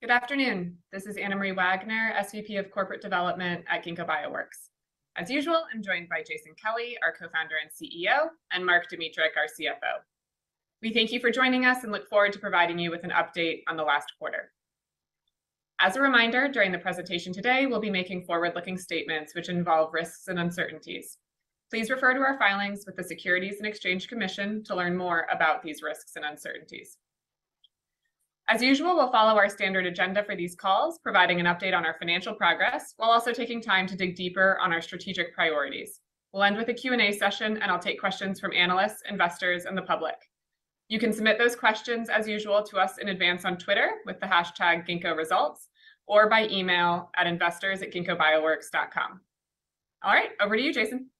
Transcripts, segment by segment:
Good afternoon. This is Anna Marie Wagner, SVP of Corporate Development at Ginkgo Bioworks. As usual, I'm joined by Jason Kelly, our Co-Founder and CEO, and Mark Dmytruk, our CFO. We thank you for joining us and look forward to providing you with an update on the last quarter. As a reminder, during the presentation today, we'll be making forward-looking statements which involve risks and uncertainties. Please refer to our filings with the Securities and Exchange Commission to learn more about these risks and uncertainties. As usual, we'll follow our standard agenda for these calls, providing an update on our financial progress, while also taking time to dig deeper on our strategic priorities. We'll end with a Q&A session, and I'll take questions from analysts, investors, and the public. You can submit those questions as usual to us in advance on Twitter with the hashtag GinkgoResults or by email at investors@ginkgobioworks.com. All right, over to you, Jason.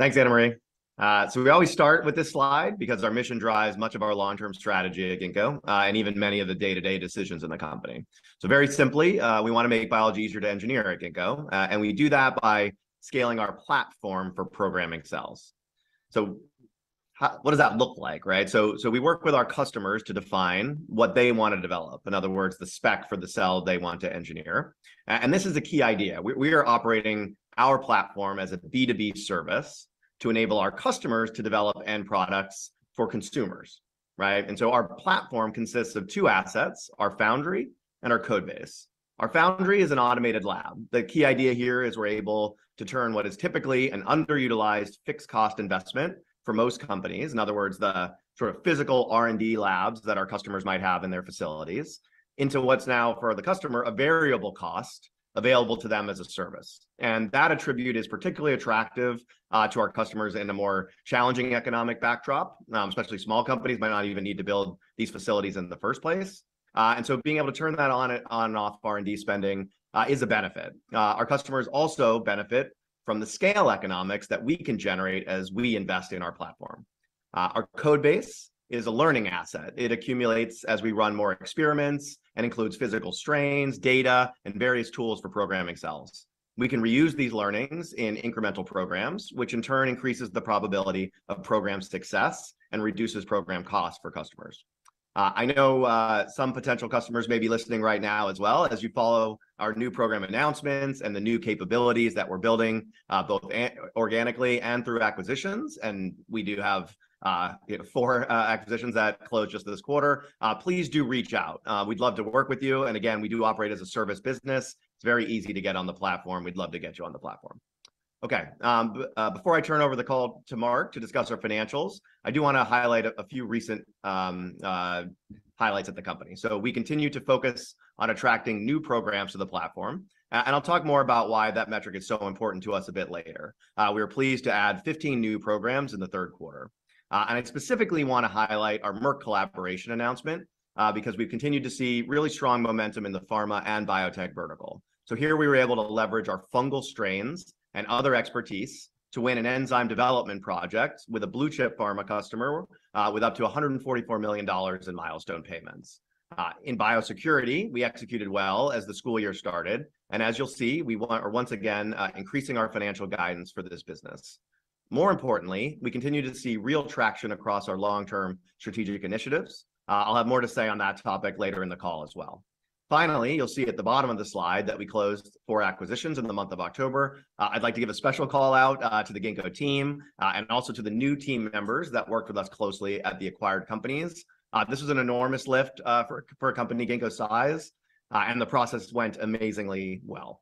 Thanks, Anna Marie. We always start with this slide because our mission drives much of our long-term strategy at Ginkgo, and even many of the day-to-day decisions in the company. Very simply, we wanna make biology easier to engineer at Ginkgo, and we do that by scaling our platform for programming cells. What does that look like, right? We work with our customers to define what they want to develop. In other words, the spec for the cell they want to engineer. This is a key idea. We are operating our platform as a B2B service to enable our customers to develop end products for consumers, right? Our platform consists of two assets, our foundry and our code base. Our foundry is an automated lab. The key idea here is we're able to turn what is typically an underutilized fixed cost investment for most companies, in other words, the sort of physical R&D labs that our customers might have in their facilities, into what's now for the customer, a variable cost available to them as a service. That attribute is particularly attractive to our customers in a more challenging economic backdrop, especially small companies might not even need to build these facilities in the first place. Being able to turn that on and off R&D spending is a benefit. Our customers also benefit from the scale economics that we can generate as we invest in our platform. Our code base is a learning asset. It accumulates as we run more experiments and includes physical strains, data, and various tools for programming cells. We can reuse these learnings in incremental programs, which in turn increases the probability of program success and reduces program costs for customers. I know some potential customers may be listening right now as well as you follow our new program announcements and the new capabilities that we're building both organically and through acquisitions, and we do have four acquisitions that closed just this quarter. Please do reach out. We'd love to work with you, and again, we do operate as a service business. It's very easy to get on the platform. We'd love to get you on the platform. Okay. Before I turn over the call to Mark to discuss our financials, I do wanna highlight a few recent highlights at the company. We continue to focus on attracting new programs to the platform, and I'll talk more about why that metric is so important to us a bit later. We are pleased to add 15 new programs in the third quarter. I specifically wanna highlight our Merck collaboration announcement, because we've continued to see really strong momentum in the pharma and biotech vertical. Here we were able to leverage our fungal strains and other expertise to win an enzyme development project with a blue-chip pharma customer, with up to $144 million in milestone payments. In biosecurity, we executed well as the school year started, and as you'll see, we are once again increasing our financial guidance for this business. More importantly, we continue to see real traction across our long-term strategic initiatives. I'll have more to say on that topic later in the call as well. Finally, you'll see at the bottom of the slide that we closed 4 acquisitions in the month of October. I'd like to give a special call-out to the Ginkgo team and also to the new team members that worked with us closely at the acquired companies. This was an enormous lift for a company Ginkgo's size and the process went amazingly well.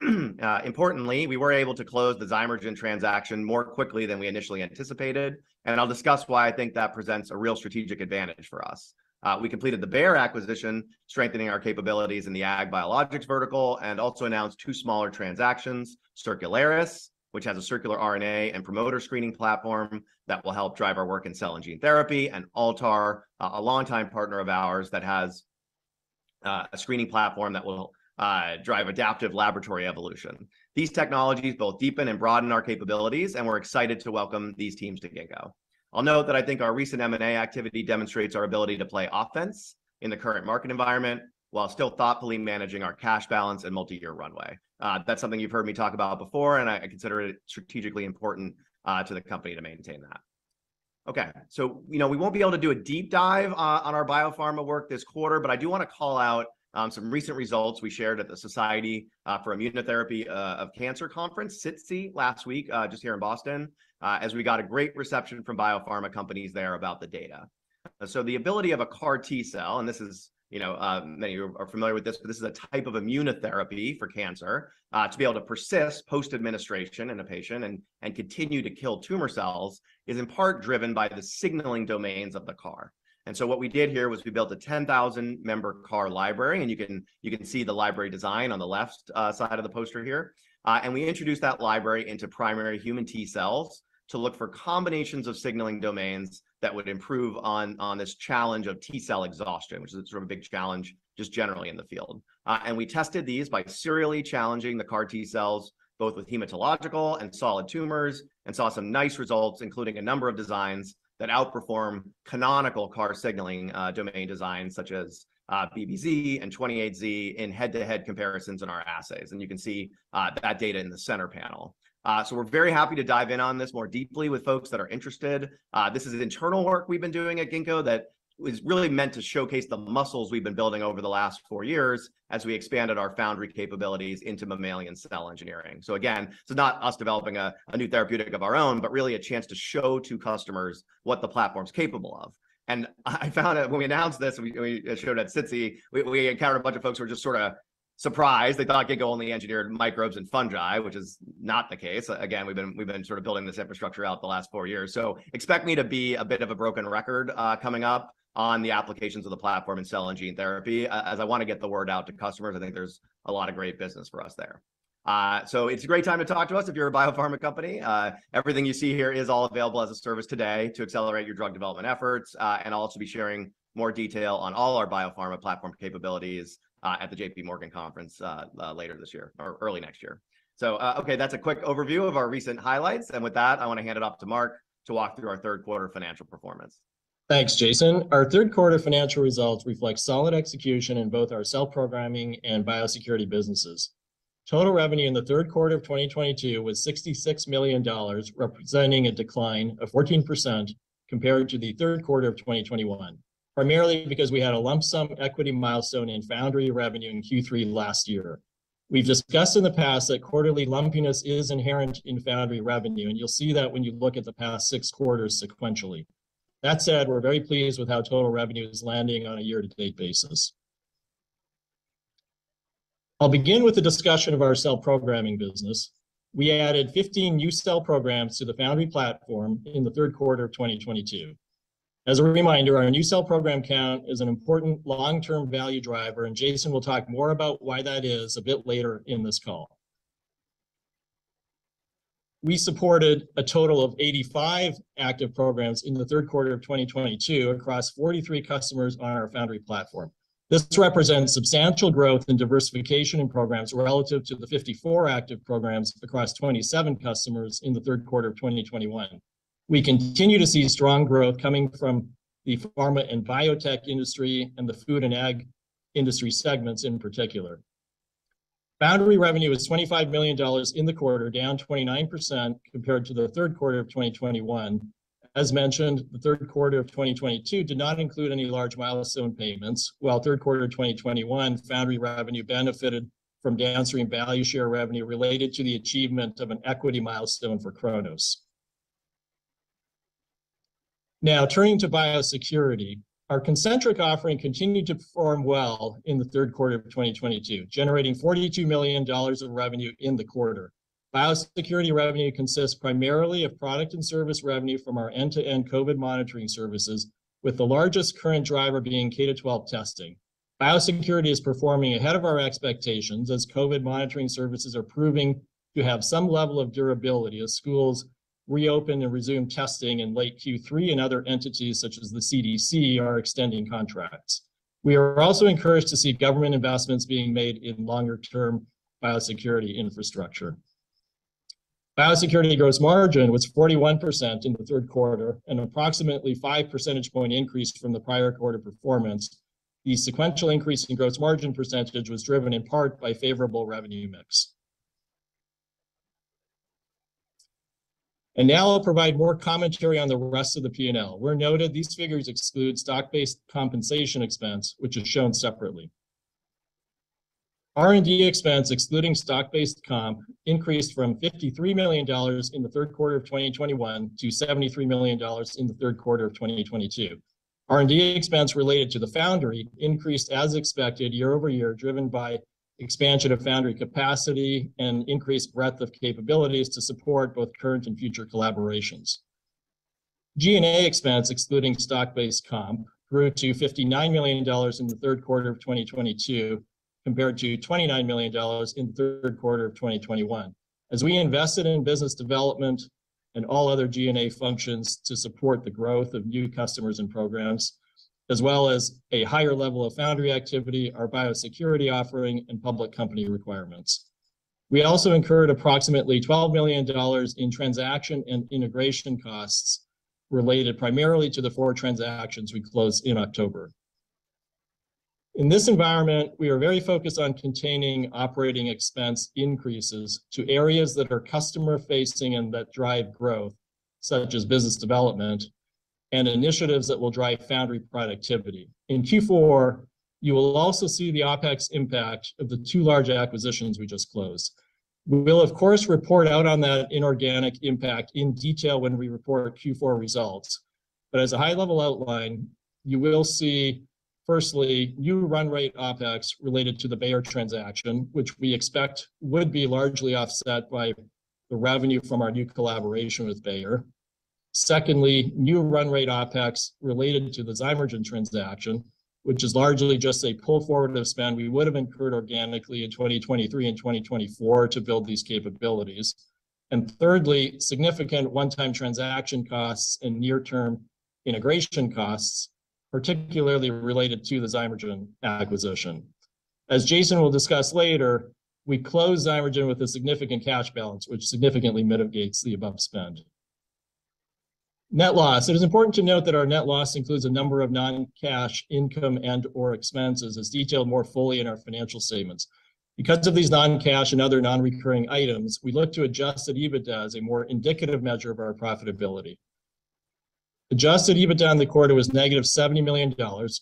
Importantly, we were able to close the Zymergen transaction more quickly than we initially anticipated, and I'll discuss why I think that presents a real strategic advantage for us. We completed the Bayer acquisition, strengthening our capabilities in the ag biologics vertical, and also announced two smaller transactions, Circularis, which has a circular RNA and promoter screening platform that will help drive our work in cell and gene therapy, and Altar, a longtime partner of ours that has a screening platform that will drive adaptive laboratory evolution. These technologies both deepen and broaden our capabilities, and we're excited to welcome these teams to Ginkgo. I'll note that I think our recent M&A activity demonstrates our ability to play offense in the current market environment while still thoughtfully managing our cash balance and multi-year runway. That's something you've heard me talk about before, and I consider it strategically important to the company to maintain that. Okay. You know, we won't be able to do a deep dive on our biopharma work this quarter, but I do wanna call out some recent results we shared at the Society for Immunotherapy of Cancer conference, SITC, last week, just here in Boston, as we got a great reception from biopharma companies there about the data. The ability of a CAR T-cell, and this is, you know, many of you are familiar with this, but this is a type of immunotherapy for cancer, to be able to persist post-administration in a patient and continue to kill tumor cells, is in part driven by the signaling domains of the CAR. What we did here was we built a 10,000-member CAR library, and you can see the library design on the left side of the poster here. We introduced that library into primary human T-cells to look for combinations of signaling domains that would improve on this challenge of T-cell exhaustion, which is a sort of big challenge just generally in the field. We tested these by serially challenging the CAR T-cells, both with hematological and solid tumors, and saw some nice results, including a number of designs that outperform canonical CAR signaling domain designs such as BBz and 28z in head-to-head comparisons in our assays. You can see that data in the center panel. We're very happy to dive in on this more deeply with folks that are interested. This is internal work we've been doing at Ginkgo that is really meant to showcase the muscles we've been building over the last four years as we expanded our foundry capabilities into mammalian cell engineering. So again, not us developing a new therapeutic of our own, but really a chance to show to customers what the platform's capable of. I found out when we announced this and we showed at SITC, we encountered a bunch of folks who were just sort of surprised, they thought we could only go on the engineered microbes and fungi, which is not the case. Again, we've been sort of building this infrastructure out over the last four years. Expect me to be a bit of a broken record coming up on the applications of the platform in cell and gene therapy. As I want to get the word out to customers, I think there's a lot of great business for us there. It's a great time to talk to us if you're a biopharma company. Everything you see here is all available as a service today to accelerate your drug development efforts. I'll also be sharing more detail on all our biopharma platform capabilities at the JPMorgan conference later this year or early next year. Okay, that's a quick overview of our recent highlights. With that, I want to hand it off to Mark to walk through our third quarter financial performance. Thanks, Jason. Our third quarter financial results reflect solid execution in both our cell programming and biosecurity businesses. Total revenue in the third quarter of 2022 was $66 million, representing a decline of 14% compared to the third quarter of 2021, primarily because we had a lump sum equity milestone in foundry revenue in Q3 last year. We've discussed in the past that quarterly lumpiness is inherent in foundry revenue, and you'll see that when you look at the past 6 quarters sequentially. That said, we're very pleased with how total revenue is landing on a year-to-date basis. I'll begin with the discussion of our cell programming business. We added 15 new cell programs to the foundry platform in the third quarter of 2022. As a reminder, our new cell program count is an important long-term value driver, and Jason will talk more about why that is a bit later in this call. We supported a total of 85 active programs in the third quarter of 2022 across 43 customers on our foundry platform. This represents substantial growth and diversification in programs relative to the 54 active programs across 27 customers in the third quarter of 2021. We continue to see strong growth coming from the pharma and biotech industry and the food and ag industry segments in particular. Foundry revenue was $25 million in the quarter, down 29% compared to the third quarter of 2021. As mentioned, the third quarter of 2022 did not include any large milestone payments, while third quarter of 2021, foundry revenue benefited from downstream value share revenue related to the achievement of an equity milestone for Cronos. Now turning to biosecurity. Our Concentric offering continued to perform well in the third quarter of 2022, generating $42 million of revenue in the quarter. Biosecurity revenue consists primarily of product and service revenue from our end-to-end COVID monitoring services, with the largest current driver being K-12 testing. Biosecurity is performing ahead of our expectations as COVID monitoring services are proving to have some level of durability as schools reopen and resume testing in late Q3 and other entities such as the CDC are extending contracts. We are also encouraged to see government investments being made in longer-term biosecurity infrastructure. Biosecurity gross margin was 41% in the third quarter and approximately 5 percentage point increase from the prior quarter performance. The sequential increase in gross margin percentage was driven in part by favorable revenue mix. Now I'll provide more commentary on the rest of the P&L. Where noted, these figures exclude stock-based compensation expense, which is shown separately. R&D expense excluding stock-based comp increased from $53 million in the third quarter of 2021 to $73 million in the third quarter of 2022. R&D expense related to the foundry increased as expected year-over-year, driven by expansion of foundry capacity and increased breadth of capabilities to support both current and future collaborations. G&A expense excluding stock-based comp grew to $59 million in the third quarter of 2022 compared to $29 million in third quarter of 2021 as we invested in business development and all other G&A functions to support the growth of new customers and programs, as well as a higher level of foundry activity, our biosecurity offering and public company requirements. We also incurred approximately $12 million in transaction and integration costs related primarily to the four transactions we closed in October. In this environment, we are very focused on containing operating expense increases to areas that are customer-facing and that drive growth, such as business development and initiatives that will drive foundry productivity. In Q4, you will also see the OpEx impact of the two large acquisitions we just closed. We will of course, report out on that inorganic impact in detail when we report our Q4 results. As a high-level outline, you will see firstly, new run rate OpEx related to the Bayer transaction, which we expect would be largely offset by the revenue from our new collaboration with Bayer. Secondly, new run rate OpEx related to the Zymergen transaction, which is largely just a pull forward of spend we would have incurred organically in 2023 and 2024 to build these capabilities. Thirdly, significant one-time transaction costs and near-term integration costs, particularly related to the Zymergen acquisition. As Jason will discuss later, we closed Zymergen with a significant cash balance, which significantly mitigates the above spend. Net loss. It is important to note that our net loss includes a number of non-cash income and/or expenses, as detailed more fully in our financial statements. Because of these non-cash and other non-recurring items, we look to adjusted EBITDA as a more indicative measure of our profitability. Adjusted EBITDA in the quarter was -$70 million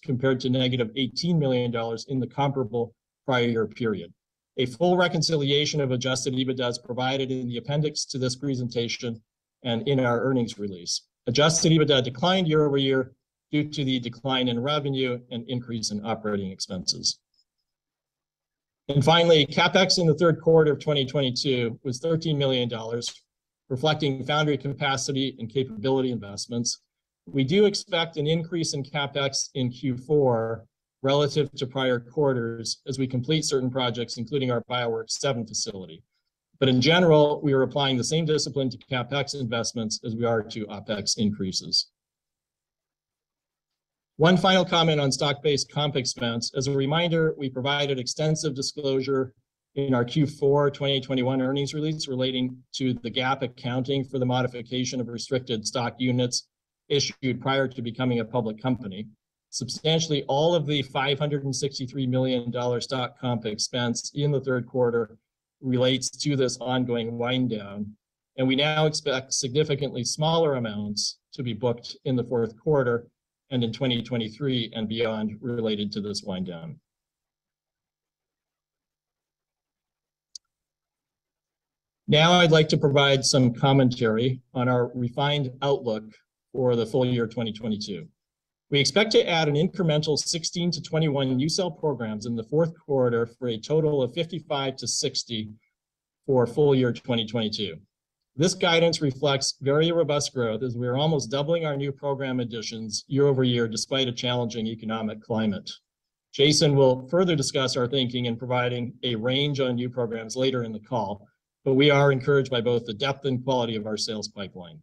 compared to -$18 million in the comparable prior year period. A full reconciliation of adjusted EBITDA is provided in the appendix to this presentation. In our earnings release. Adjusted EBITDA declined year-over-year due to the decline in revenue and increase in operating expenses. Finally, CapEx in the third quarter of 2022 was $13 million, reflecting foundry capacity and capability investments. We do expect an increase in CapEx in Q4 relative to prior quarters as we complete certain projects, including our BioWorks7 facility. In general, we are applying the same discipline to CapEx investments as we are to OpEx increases. One final comment on stock-based comp expense. As a reminder, we provided extensive disclosure in our Q4 2021 earnings release relating to the GAAP accounting for the modification of restricted stock units issued prior to becoming a public company. Substantially, all of the $563 million stock comp expense in the third quarter relates to this ongoing wind down, and we now expect significantly smaller amounts to be booked in the fourth quarter and in 2023 and beyond related to this wind down. Now I'd like to provide some commentary on our refined outlook for the full year 2022. We expect to add an incremental 16-21 new cell programs in the fourth quarter for a total of 55-60 for full year 2022. This guidance reflects very robust growth as we are almost doubling our new program additions year-over-year despite a challenging economic climate. Jason will further discuss our thinking in providing a range on new programs later in the call, but we are encouraged by both the depth and quality of our sales pipeline.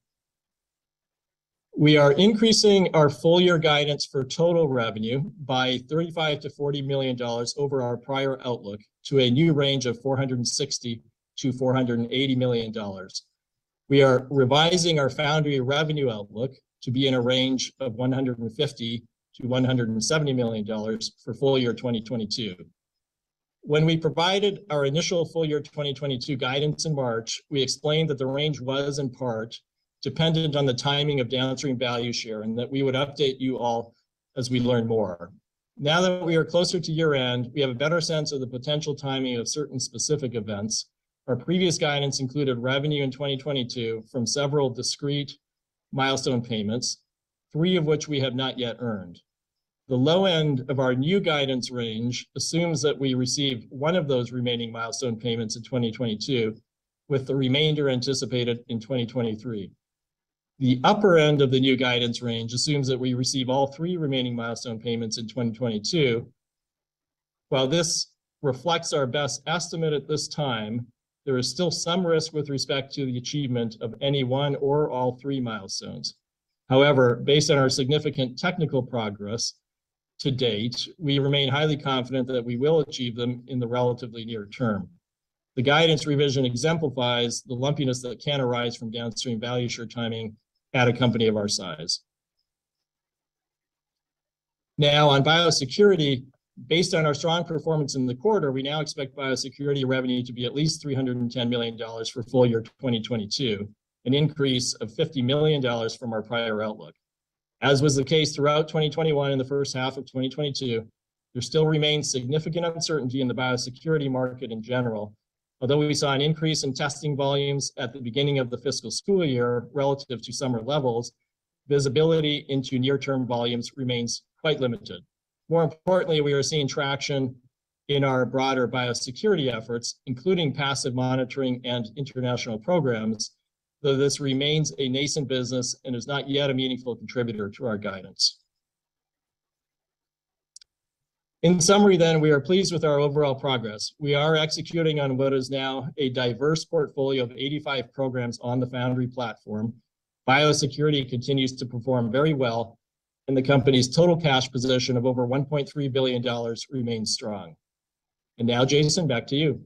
We are increasing our full year guidance for total revenue by $35 million-$40 million over our prior outlook to a new range of $460 million-$480 million. We are revising our foundry revenue outlook to be in a range of $150 million-$170 million for full year 2022. When we provided our initial full year 2022 guidance in March, we explained that the range was in part dependent on the timing of downstream value share, and that we would update you all as we learn more. Now that we are closer to year-end, we have a better sense of the potential timing of certain specific events. Our previous guidance included revenue in 2022 from several discrete milestone payments, three of which we have not yet earned. The low end of our new guidance range assumes that we receive one of those remaining milestone payments in 2022, with the remainder anticipated in 2023. The upper end of the new guidance range assumes that we receive all three remaining milestone payments in 2022. While this reflects our best estimate at this time, there is still some risk with respect to the achievement of any one or all three milestones. However, based on our significant technical progress to date, we remain highly confident that we will achieve them in the relatively near term. The guidance revision exemplifies the lumpiness that can arise from downstream value share timing at a company of our size. Now on biosecurity, based on our strong performance in the quarter, we now expect biosecurity revenue to be at least $310 million for full year 2022, an increase of $50 million from our prior outlook. As was the case throughout 2021 and the first half of 2022, there still remains significant uncertainty in the biosecurity market in general. Although we saw an increase in testing volumes at the beginning of the fiscal school year relative to summer levels, visibility into near term volumes remains quite limited. More importantly, we are seeing traction in our broader biosecurity efforts, including passive monitoring and international programs, though this remains a nascent business and is not yet a meaningful contributor to our guidance. In summary, we are pleased with our overall progress. We are executing on what is now a diverse portfolio of 85 programs on the foundry platform. Biosecurity continues to perform very well, and the company's total cash position of over $1.3 billion remains strong. Now, Jason, back to you.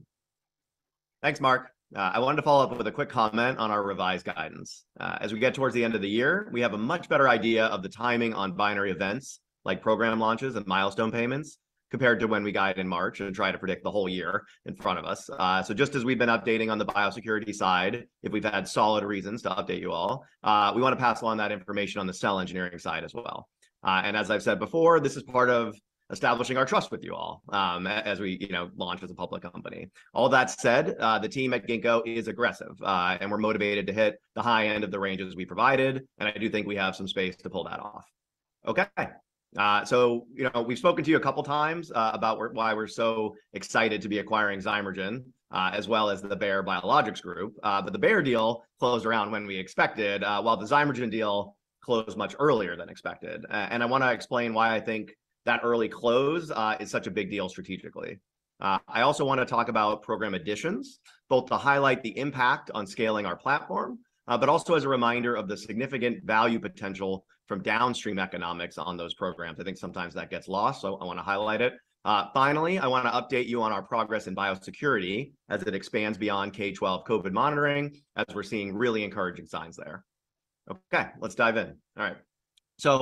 Thanks, Mark. I wanted to follow up with a quick comment on our revised guidance. As we get towards the end of the year, we have a much better idea of the timing on binary events like program launches and milestone payments compared to when we guide in March and try to predict the whole year in front of us. Just as we've been updating on the biosecurity side, if we've had solid reasons to update you all, we want to pass along that information on the cell engineering side as well. As I've said before, this is part of establishing our trust with you all, as we, you know, launch as a public company. All that said, the team at Ginkgo is aggressive, and we're motivated to hit the high end of the ranges we provided, and I do think we have some space to pull that off. Okay. You know, we've spoken to you a couple times about why we're so excited to be acquiring Zymergen, as well as the Bayer Biologics group. The Bayer deal closed around when we expected, while the Zymergen deal closed much earlier than expected. I want to explain why I think that early close is such a big deal strategically. I also want to talk about program additions, both to highlight the impact on scaling our platform, but also as a reminder of the significant value potential from downstream economics on those programs. I think sometimes that gets lost, so I want to highlight it. Finally, I want to update you on our progress in biosecurity as it expands beyond K-12 COVID monitoring, as we're seeing really encouraging signs there. Okay, let's dive in. All right.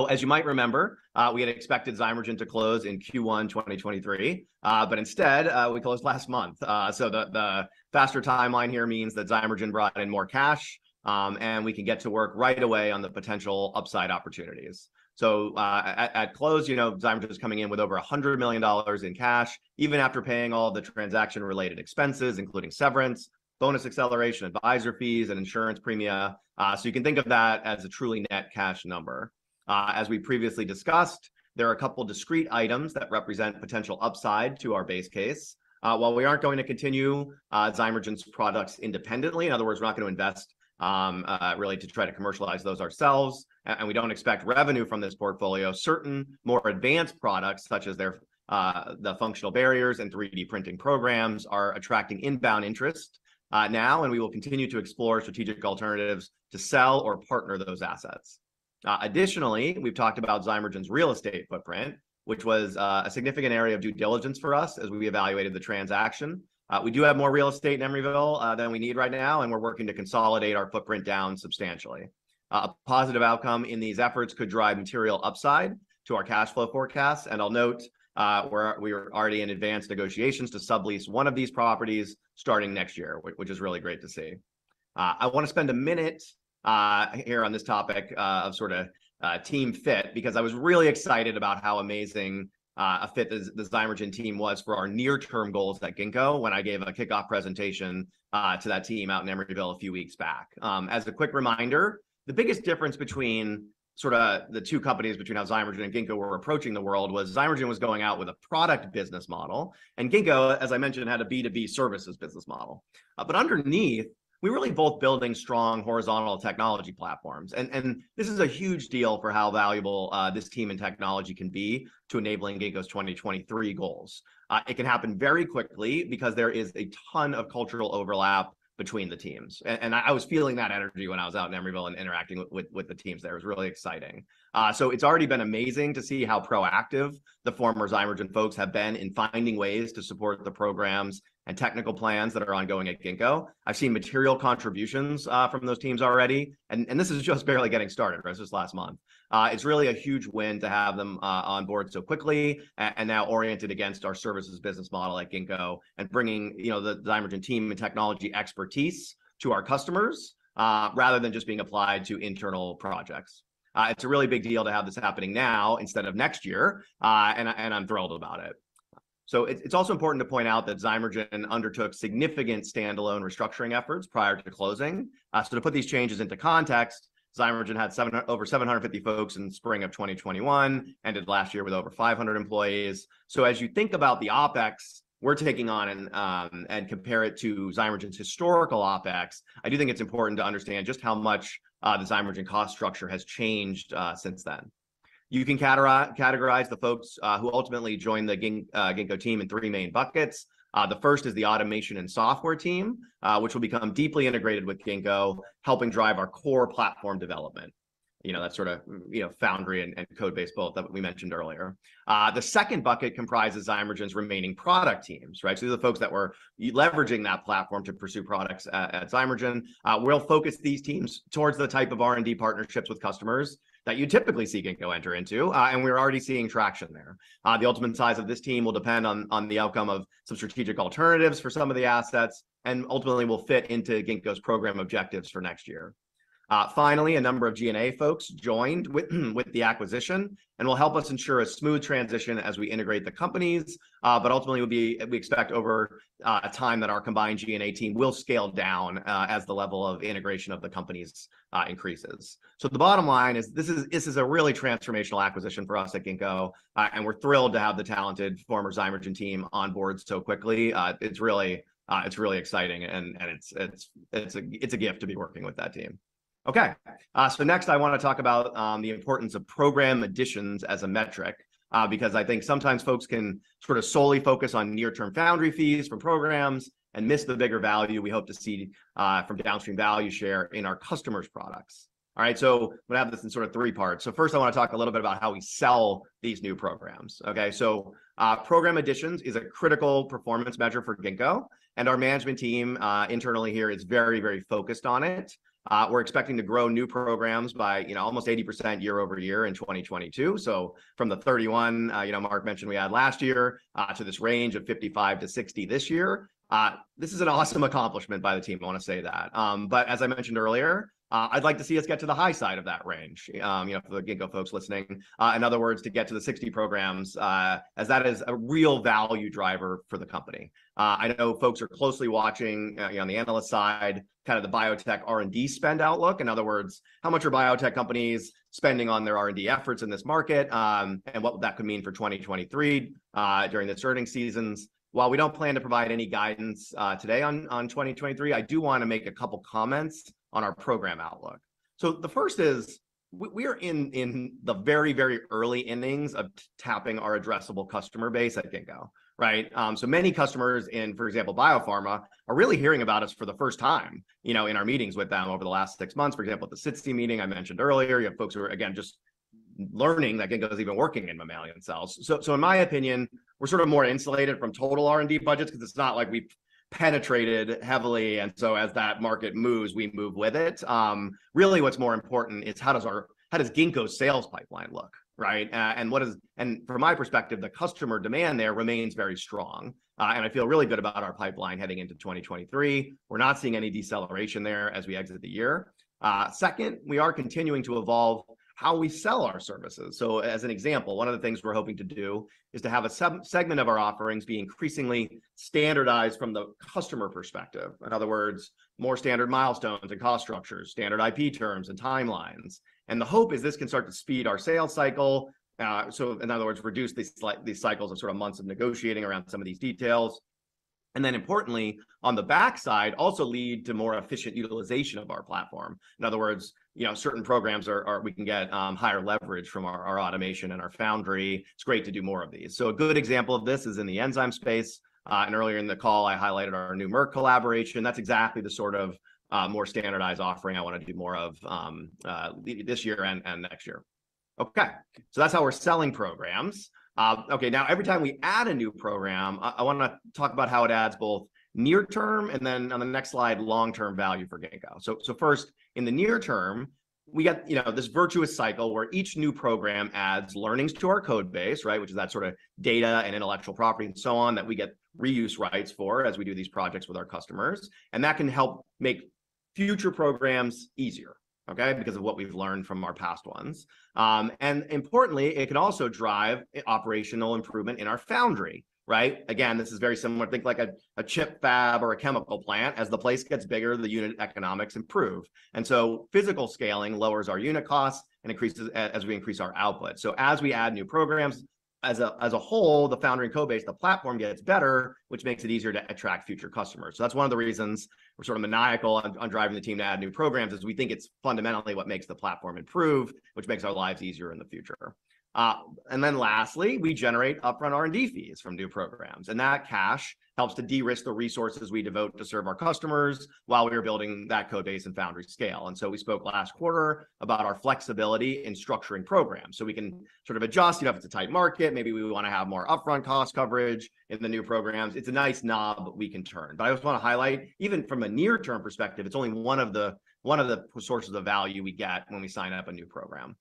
As you might remember, we had expected Zymergen to close in Q1 2023, but instead, we closed last month. The faster timeline here means that Zymergen brought in more cash, and we can get to work right away on the potential upside opportunities. At close, you know, Zymergen was coming in with over $100 million in cash, even after paying all the transaction-related expenses, including severance, bonus acceleration, advisor fees, and insurance premiums. You can think of that as a truly net cash number. As we previously discussed, there are a couple discrete items that represent potential upside to our base case. While we aren't going to continue Zymergen's products independently, in other words, we're not gonna invest really to try to commercialize those ourselves, and we don't expect revenue from this portfolio. Certain more advanced products such as their the functional barriers and 3D printing programs are attracting inbound interest now, and we will continue to explore strategic alternatives to sell or partner those assets. Additionally, we've talked about Zymergen's real estate footprint, which was a significant area of due diligence for us as we evaluated the transaction. We do have more real estate in Emeryville than we need right now, and we're working to consolidate our footprint down substantially. A positive outcome in these efforts could drive material upside to our cash flow forecast, and I'll note, we're already in advanced negotiations to sublease one of these properties starting next year, which is really great to see. I wanna spend a minute here on this topic of sorta team fit because I was really excited about how amazing a fit this Zymergen team was for our near-term goals at Ginkgo when I gave a kickoff presentation to that team out in Emeryville a few weeks back. As a quick reminder, the biggest difference between sorta the two companies between how Zymergen and Ginkgo were approaching the world was Zymergen was going out with a product business model, and Ginkgo, as I mentioned, had a B2B services business model. Underneath, we're really both building strong horizontal technology platforms and this is a huge deal for how valuable this team and technology can be to enabling Ginkgo's 2023 goals. It can happen very quickly because there is a ton of cultural overlap between the teams. I was feeling that energy when I was out in Emeryville and interacting with the teams there. It was really exciting. It's already been amazing to see how proactive the former Zymergen folks have been in finding ways to support the programs and technical plans that are ongoing at Ginkgo. I've seen material contributions from those teams already, and this is just barely getting started, right? This is last month. It's really a huge win to have them on board so quickly and now oriented against our services business model at Ginkgo and bringing, you know, the Zymergen team and technology expertise to our customers rather than just being applied to internal projects. It's a really big deal to have this happening now instead of next year, and I'm thrilled about it. It's also important to point out that Zymergen undertook significant standalone restructuring efforts prior to the closing. To put these changes into context, Zymergen had over 750 folks in spring of 2021, ended last year with over 500 employees. As you think about the OpEx we're taking on and compare it to Zymergen's historical OpEx, I do think it's important to understand just how much the Zymergen cost structure has changed since then. You can categorize the folks who ultimately joined the Ginkgo team in three main buckets. The first is the automation and software team, which will become deeply integrated with Ginkgo, helping drive our core platform development. You know, that sort of, you know, foundry and code base both that we mentioned earlier. The second bucket comprises Zymergen's remaining product teams, right? These are the folks that were leveraging that platform to pursue products at Zymergen. We'll focus these teams towards the type of R&D partnerships with customers that you typically see Ginkgo enter into, and we're already seeing traction there. The ultimate size of this team will depend on the outcome of some strategic alternatives for some of the assets and ultimately will fit into Ginkgo's program objectives for next year. Finally, a number of G&A folks joined with the acquisition and will help us ensure a smooth transition as we integrate the companies, but ultimately, we expect over time that our combined G&A team will scale down as the level of integration of the companies increases. The bottom line is this is a really transformational acquisition for us at Ginkgo, and we're thrilled to have the talented former Zymergen team on board so quickly. It's really exciting and it's a gift to be working with that team. Okay. Next I wanna talk about the importance of program additions as a metric, because I think sometimes folks can sort of solely focus on near-term foundry fees for programs and miss the bigger value we hope to see from downstream value share in our customers' products. All right, we have this in sort of three parts. First I wanna talk a little bit about how we sell these new programs, okay? Program additions is a critical performance measure for Ginkgo, and our management team internally here is very, very focused on it. We're expecting to grow new programs by, you know, almost 80% year-over-year in 2022, so from the 31, you know, Mark mentioned we had last year, to this range of 55-60 this year. This is an awesome accomplishment by the team, I wanna say that. As I mentioned earlier, I'd like to see us get to the high side of that range, you know, for the Ginkgo folks listening, in other words, to get to the 60 programs, as that is a real value driver for the company. I know folks are closely watching, you know, on the analyst side, kind of the biotech R&D spend outlook. In other words, how much are biotech companies spending on their R&D efforts in this market, and what that could mean for 2023, during its earnings seasons. While we don't plan to provide any guidance, today on 2023, I do wanna make a couple comments on our program outlook. The first is we are in the very, very early innings of tapping our addressable customer base at Ginkgo, right? Many customers in, for example, biopharma, are really hearing about us for the first time, you know, in our meetings with them over the last six months. For example, at the SITC meeting I mentioned earlier, you have folks who are, again, just learning that Ginkgo's even working in mammalian cells. In my opinion, we're sort of more insulated from total R&D budgets 'cause it's not like we've penetrated heavily and so as that market moves, we move with it. Really what's more important is how does Ginkgo's sales pipeline look, right? From my perspective, the customer demand there remains very strong, and I feel really good about our pipeline heading into 2023. We're not seeing any deceleration there as we exit the year. Second, we are continuing to evolve how we sell our services. As an example, one of the things we're hoping to do is to have a segment of our offerings be increasingly standardized from the customer perspective. In other words, more standard milestones and cost structures, standard IP terms and timelines. The hope is this can start to speed our sales cycle, in other words, reduce these cycles of sort of months of negotiating around some of these details. Then importantly, on the back side, also lead to more efficient utilization of our platform. In other words, you know, certain programs we can get higher leverage from our automation and our foundry. It's great to do more of these. A good example of this is in the enzyme space, and earlier in the call, I highlighted our new Merck collaboration. That's exactly the sort of more standardized offering I wanna do more of this year and next year. Okay. That's how we're selling programs. Okay, now every time we add a new program, I wanna talk about how it adds both near-term, and then on the next slide, long-term value for Ginkgo. First, in the near term, we got, you know, this virtuous cycle where each new program adds learnings to our code base, right, which is that sort of data and intellectual property and so on that we get reuse rights for as we do these projects with our customers, and that can help make future programs easier, okay? Because of what we've learned from our past ones. Importantly, it can also drive operational improvement in our foundry, right? Again, this is very similar. Think like a chip fab or a chemical plant. As the place gets bigger, the unit economics improve. Physical scaling lowers our unit cost and increases as we increase our output. As we add new programs, as a whole, the foundry code base, the platform gets better, which makes it easier to attract future customers. That's one of the reasons we're sort of maniacal on driving the team to add new programs, is we think it's fundamentally what makes the platform improve, which makes our lives easier in the future. Then lastly, we generate upfront R&D fees from new programs, and that cash helps to de-risk the resources we devote to serve our customers while we are building that code base and foundry scale. We spoke last quarter about our flexibility in structuring programs. We can sort of adjust, you know, if it's a tight market, maybe we want to have more upfront cost coverage in the new programs. It's a nice knob we can turn. I just wanna highlight, even from a near-term perspective, it's only one of the sources of value we get when we sign up a new program.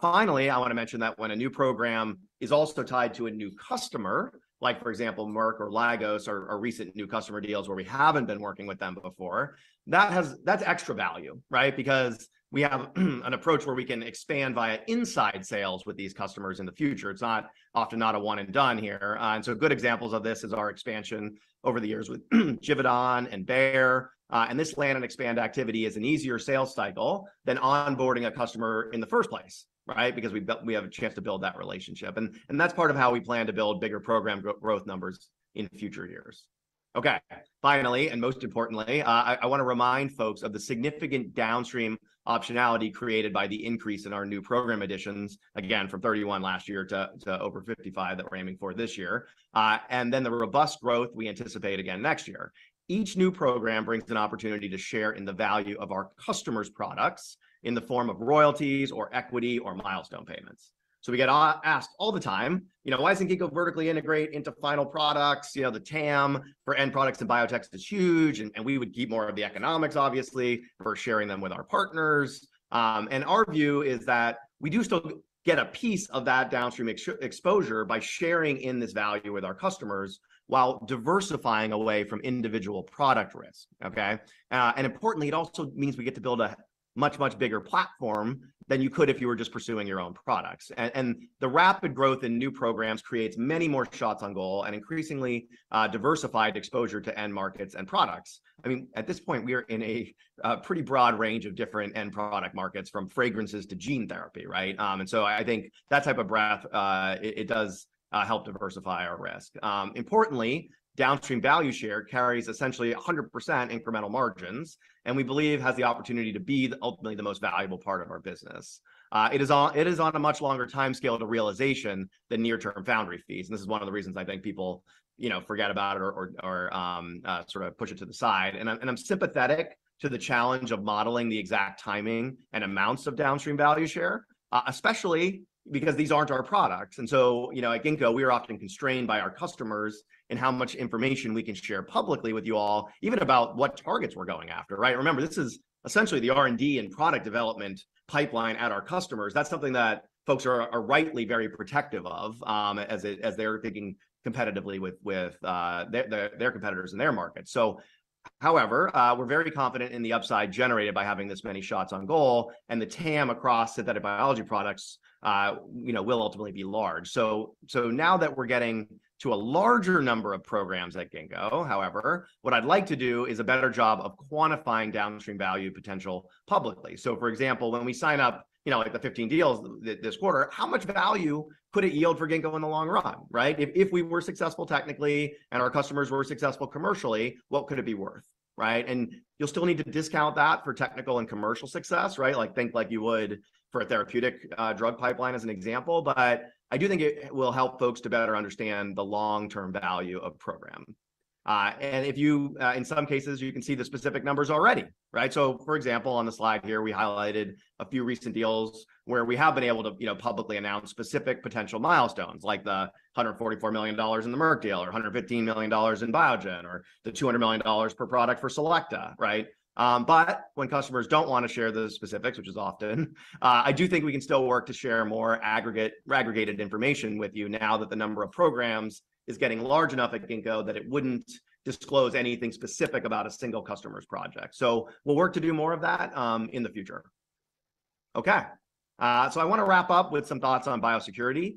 Finally, I wanna mention that when a new program is also tied to a new customer, like for example, Merck or Lygos or recent new customer deals where we haven't been working with them before, that's extra value, right? Because we have an approach where we can expand via inside sales with these customers in the future. It's not often not a one and done here. Good examples of this is our expansion over the years with Givaudan and Bayer. This plan and expand activity is an easier sales cycle than onboarding a customer in the first place, right? Because we have a chance to build that relationship. That's part of how we plan to build bigger program growth numbers in future years. Okay. Finally, and most importantly, I wanna remind folks of the significant downstream optionality created by the increase in our new program additions, again, from 31 last year to over 55 that we're aiming for this year, and then the robust growth we anticipate again next year. Each new program brings an opportunity to share in the value of our customers' products in the form of royalties or equity or milestone payments. So we get asked all the time, you know, "Why doesn't Ginkgo vertically integrate into final products?" You know, the TAM for end products in biotechs is huge, and we would keep more of the economics, obviously, for sharing them with our partners. Our view is that we do still get a piece of that downstream exposure by sharing in this value with our customers while diversifying away from individual product risk, okay? Importantly, it also means we get to build a much, much bigger platform than you could if you were just pursuing your own products. The rapid growth in new programs creates many more shots on goal and increasingly diversified exposure to end markets and products. I mean, at this point, we are in a pretty broad range of different end product markets, from fragrances to gene therapy, right? I think that type of breadth, it does help diversify our risk. Importantly, downstream value share carries essentially 100% incremental margins, and we believe has the opportunity to be ultimately the most valuable part of our business. It is on a much longer timescale to realization than near-term foundry fees, and this is one of the reasons I think people, you know, forget about it or sort of push it to the side. I'm sympathetic to the challenge of modeling the exact timing and amounts of downstream value share, especially because these aren't our products. You know, at Ginkgo, we are often constrained by our customers in how much information we can share publicly with you all, even about what targets we're going after, right? Remember, this is essentially the R&D and product development pipeline at our customers. That's something that folks are rightly very protective of, as they're thinking competitively with their competitors in their market. However, we're very confident in the upside generated by having this many shots on goal and the TAM across synthetic biology products, you know, will ultimately be large. Now that we're getting to a larger number of programs at Ginkgo, however, what I'd like to do is a better job of quantifying downstream value potential publicly. For example, when we sign up, you know, like the 15 deals this quarter, how much value could it yield for Ginkgo in the long run, right? If we were successful technically and our customers were successful commercially, what could it be worth, right? You'll still need to discount that for technical and commercial success, right? Think like you would for a therapeutic drug pipeline as an example. I do think it will help folks to better understand the long-term value of program. If you, in some cases, can see the specific numbers already, right? For example, on the slide here, we highlighted a few recent deals where we have been able to, you know, publicly announce specific potential milestones, like the $144 million in the Merck deal, or $115 million in Biogen, or the $200 million per product for Selecta, right? When customers don't wanna share those specifics, which is often, I do think we can still work to share more aggregated information with you now that the number of programs is getting large enough at Ginkgo that it wouldn't disclose anything specific about a single customer's project. We'll work to do more of that, in the future. Okay. I wanna wrap up with some thoughts on biosecurity.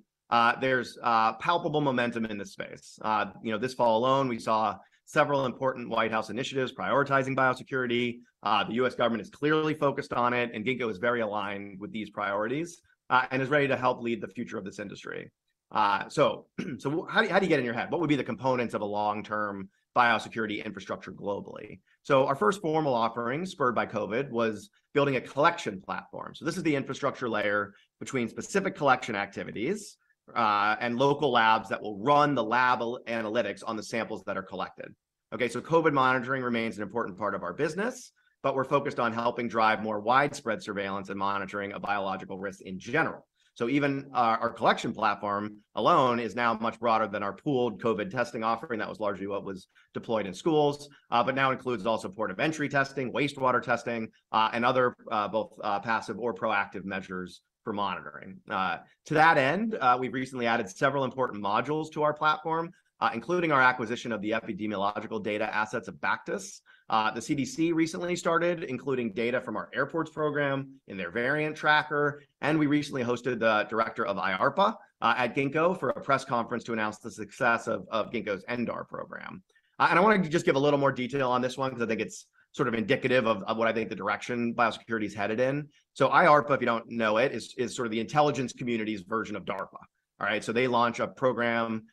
There's palpable momentum in this space. You know, this fall alone, we saw several important White House initiatives prioritizing biosecurity. The U.S. government is clearly focused on it, and Ginkgo is very aligned with these priorities, and is ready to help lead the future of this industry. How do you get in your head? What would be the components of a long-term biosecurity infrastructure globally? Our first formal offering, spurred by COVID, was building a collection platform. This is the infrastructure layer between specific collection activities, and local labs that will run the lab analytics on the samples that are collected. Okay, COVID monitoring remains an important part of our business, but we're focused on helping drive more widespread surveillance and monitoring of biological risk in general. Even our collection platform alone is now much broader than our pooled COVID testing offering. That was largely what was deployed in schools, but now includes also port of entry testing, wastewater testing, and other both passive or proactive measures for monitoring. To that end, we've recently added several important modules to our platform, including our acquisition of the epidemiological data assets of Baktus. The CDC recently started including data from our airports program in their variant tracker, and we recently hosted the director of IARPA at Ginkgo for a press conference to announce the success of Ginkgo's ENDAR program. I wanted to just give a little more detail on this one because I think it's sort of indicative of what I think the direction biosecurity's headed in. IARPA, if you don't know it, is sort of the intelligence community's version of DARPA. All right? They launched this program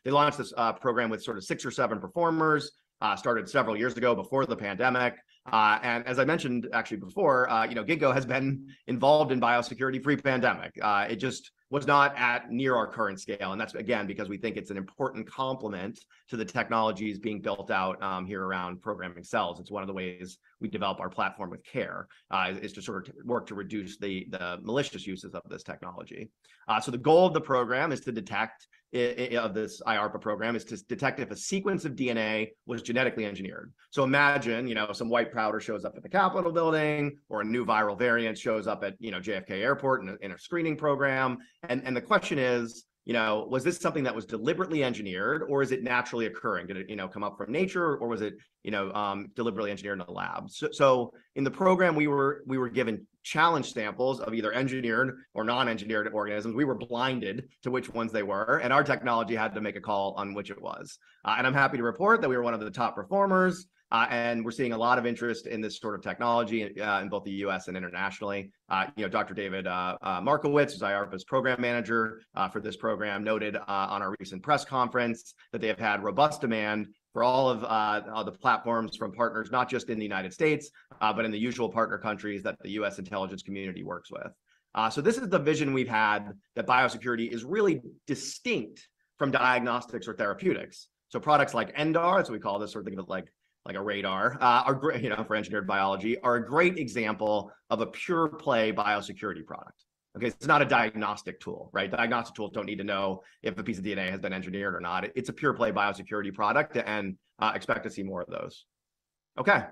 with sort of six or seven performers, started several years ago before the pandemic. As I mentioned actually before, you know, Ginkgo has been involved in biosecurity pre-pandemic. It just was not anywhere near our current scale, and that's again because we think it's an important complement to the technologies being built out here around programming cells. It's one of the ways we develop our platform with care is to sort of work to reduce the malicious uses of this technology. The goal of this IARPA program is to detect if a sequence of DNA was genetically engineered. Imagine, you know, some white powder shows up at the Capitol Building or a new viral variant shows up at, you know, JFK Airport in a screening program and the question is, you know, was this something that was deliberately engineered or is it naturally occurring? Did it, you know, come up from nature or was it, you know, deliberately engineered in a lab? In the program we were given challenge samples of either engineered or non-engineered organisms. We were blinded to which ones they were, and our technology had to make a call on which it was. I'm happy to report that we were one of the top performers, and we're seeing a lot of interest in this sort of technology, in both the U.S. and internationally. You know, Dr. David Markowitz is IARPA's program manager for this program, noted on our recent press conference that they have had robust demand for all of the platforms from partners not just in the United States, but in the usual partner countries that the U.S. intelligence community works with. This is the vision we've had that biosecurity is really distinct from diagnostics or therapeutics. Products like ENDAR, as we call this sort of thing like a radar, you know, for engineered biology, are a great example of a pure play biosecurity product. Okay, it's not a diagnostic tool, right? Diagnostic tools don't need to know if a piece of DNA has been engineered or not. It's a pure play biosecurity product and expect to see more of those. Okay,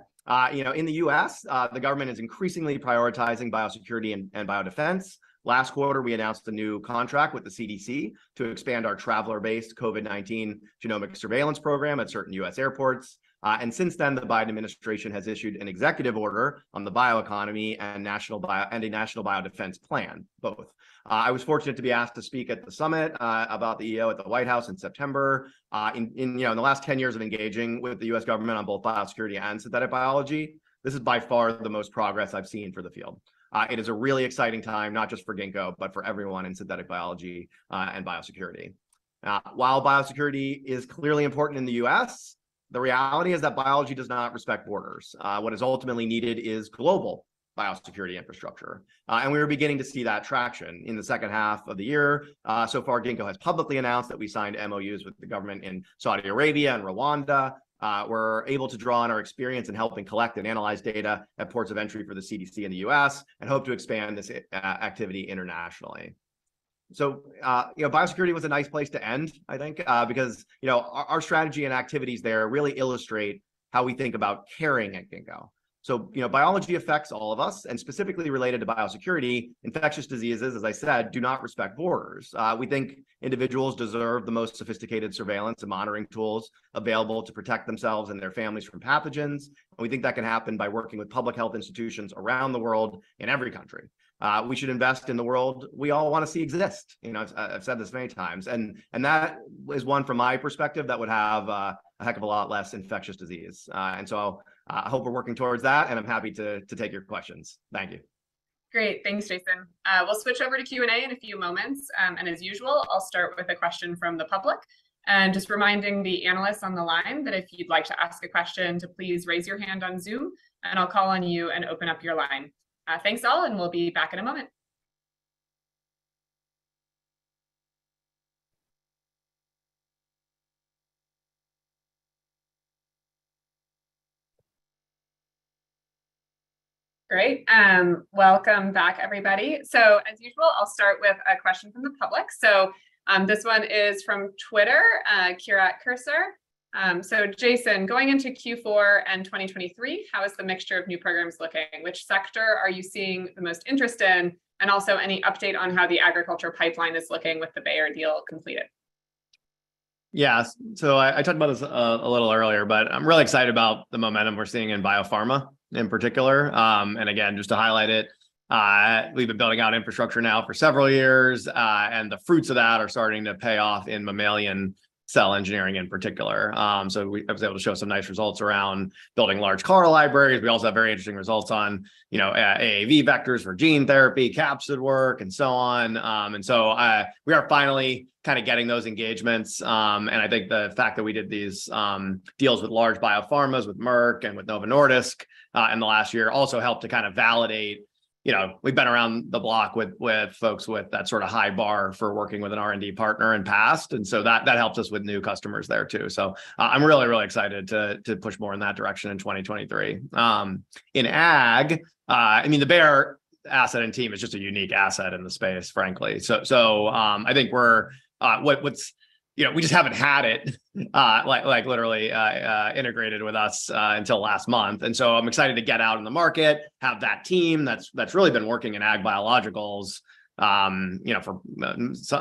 you know, in the U.S., the government is increasingly prioritizing biosecurity and biodefense. Last quarter we announced a new contract with the CDC to expand our traveler-based COVID-19 genomic surveillance program at certain U.S. airports. Since then, the Biden administration has issued an executive order on the bioeconomy and a national biodefense plan both. I was fortunate to be asked to speak at the summit about the EO at the White House in September. You know, in the last 10 years of engaging with the U.S. government on both biosecurity and synthetic biology, this is by far the most progress I've seen for the field. It is a really exciting time not just for Ginkgo, but for everyone in synthetic biology and biosecurity. While biosecurity is clearly important in the U.S., the reality is that biology does not respect borders. What is ultimately needed is global biosecurity infrastructure, and we are beginning to see that traction in the second half of the year. So far, Ginkgo has publicly announced that we signed MOUs with the government in Saudi Arabia and Rwanda. We're able to draw on our experience in helping collect and analyze data at ports of entry for the CDC in the U.S. and hope to expand this activity internationally. You know, biosecurity was a nice place to end, I think, because, you know, our strategy and activities there really illustrate how we think about caring at Ginkgo. You know, biology affects all of us, and specifically related to biosecurity, infectious diseases, as I said, do not respect borders. We think individuals deserve the most sophisticated surveillance and monitoring tools available to protect themselves and their families from pathogens, and we think that can happen by working with public health institutions around the world in every country. We should invest in the world we all want to see exist. You know, I've said this many times and that is one from my perspective that would have a heck of a lot less infectious disease. I'll hope we're working towards that, and I'm happy to take your questions. Thank you. Great. Thanks, Jason. We'll switch over to Q&A in a few moments, and as usual, I'll start with a question from the public. Just reminding the analysts on the line that if you'd like to ask a question, please raise your hand on Zoom and I'll call on you and open up your line. Thanks all, and we'll be back in a moment. Great. Welcome back everybody. As usual, I'll start with a question from the public. This one is from Twitter, Kira at Cursor. Jason, going into Q4 and 2023, how is the mixture of new programs looking? Which sector are you seeing the most interest in? And also any update on how the agriculture pipeline is looking with the Bayer deal completed? Yeah, I talked about this a little earlier, but I'm really excited about the momentum we're seeing in biopharma in particular. Again, just to highlight it, we've been building out infrastructure now for several years, and the fruits of that are starting to pay off in mammalian cell engineering in particular. I was able to show some nice results around building large CAR libraries. We also have very interesting results on, you know, AAV vectors for gene therapy, capsid work, and so on. We are finally kind of getting those engagements. I think the fact that we did these deals with large biopharmas, with Merck and with Novo Nordisk, in the last year also helped to kind of validate, you know, we've been around the block with folks with that sort of high bar for working with an R&D partner in past. That helps us with new customers there too. I'm really excited to push more in that direction in 2023. In ag, I mean, the Bayer asset and team is just a unique asset in the space, frankly. I think we're, you know, we just haven't had it, like literally, integrated with us until last month. I'm excited to get out in the market, have that team that's really been working in ag biologics, you know, for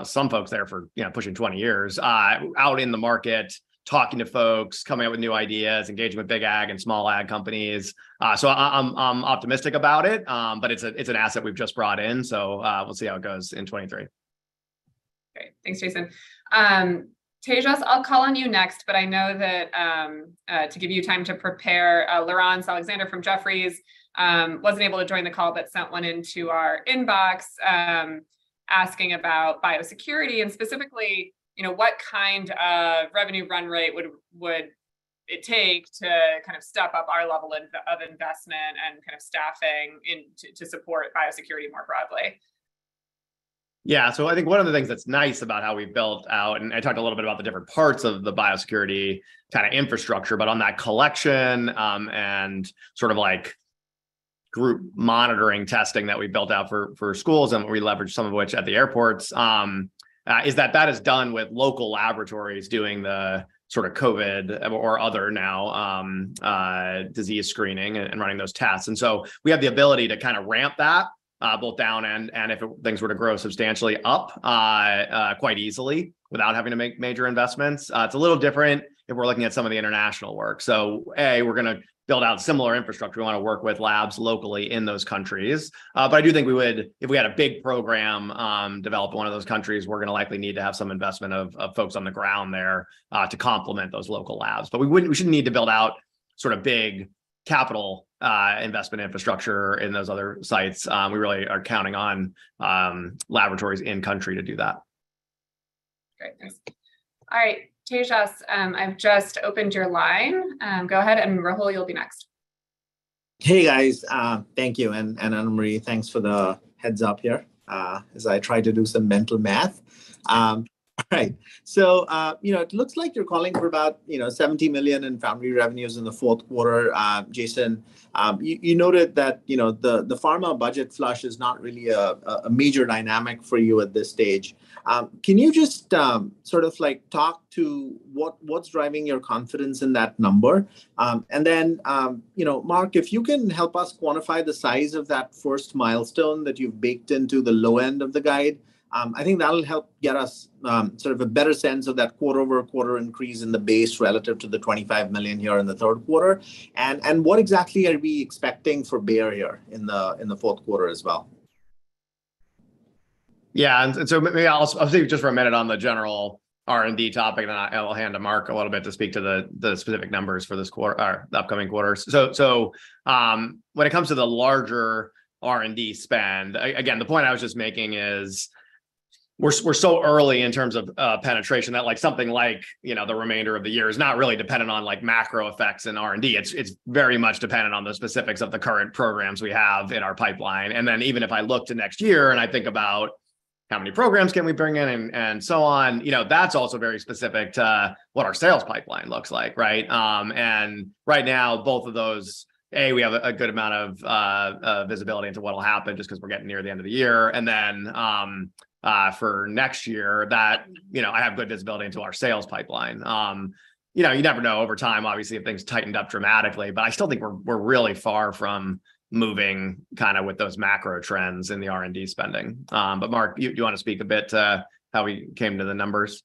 some folks there for, you know, pushing 20 years, out in the market, talking to folks, coming up with new ideas, engaging with big ag and small ag companies. I'm optimistic about it. But it's an asset we've just brought in. We'll see how it goes in 2023. Great. Thanks, Jason. Tejas, I'll call on you next, but I know that to give you time to prepare, Laurence Alexander from Jefferies wasn't able to join the call, but sent one into our inbox asking about biosecurity and specifically, you know, what kind of revenue run rate would it take to kind of step up our level of investment and kind of staffing and to support biosecurity more broadly. I think one of the things that's nice about how we've built out. I talked a little bit about the different parts of the biosecurity kind of infrastructure, but on that collection and sort of like group monitoring testing that we built out for schools and we leveraged some of which at the airports is that that is done with local laboratories doing the sort of COVID or other now disease screening and running those tests. We have the ability to kind of ramp that both down and if things were to grow substantially up quite easily without having to make major investments. It's a little different if we're looking at some of the international work. A, we're gonna build out similar infrastructure. We wanna work with labs locally in those countries. I do think we would, if we had a big program in one of those countries, we're gonna likely need to have some investment of folks on the ground there to complement those local labs. We shouldn't need to build out sort of big capital investment infrastructure in those other sites. We really are counting on laboratories in country to do that. Great. Thanks. All right. Tejas, I've just opened your line. Go ahead, and Rahul, you'll be next. Hey, guys. Thank you. Anna Marie, thanks for the heads-up here as I try to do some mental math. All right. You know, it looks like you're calling for about $70 million in foundry revenues in the fourth quarter, Jason. You noted that the pharma budget flush is not really a major dynamic for you at this stage. Can you just sort of like talk to what's driving your confidence in that number? you know, Mark, if you can help us quantify the size of that first milestone that you've baked into the low end of the guide, I think that'll help get us sort of a better sense of that quarter-over-quarter increase in the base relative to the $25 million here in the third quarter. What exactly are we expecting for Bayer here in the fourth quarter as well? Yeah. Maybe I'll speak just for a minute on the general R&D topic, and then I'll hand to Mark a little bit to speak to the specific numbers for this quarter or the upcoming quarters. When it comes to the larger R&D spend, again, the point I was just making is we're so early in terms of penetration that like something like, you know, the remainder of the year is not really dependent on like macro effects and R&D. It's very much dependent on the specifics of the current programs we have in our pipeline. Even if I look to next year and I think about how many programs can we bring in and so on, you know, that's also very specific to what our sales pipeline looks like, right? Right now, both of those, we have a good amount of visibility into what will happen just 'cause we're getting near the end of the year. For next year, you know, I have good visibility into our sales pipeline. You know, you never know over time, obviously, if things tightened up dramatically, but I still think we're really far from moving kinda with those macro trends in the R&D spending. Mark, do you wanna speak a bit to how we came to the numbers?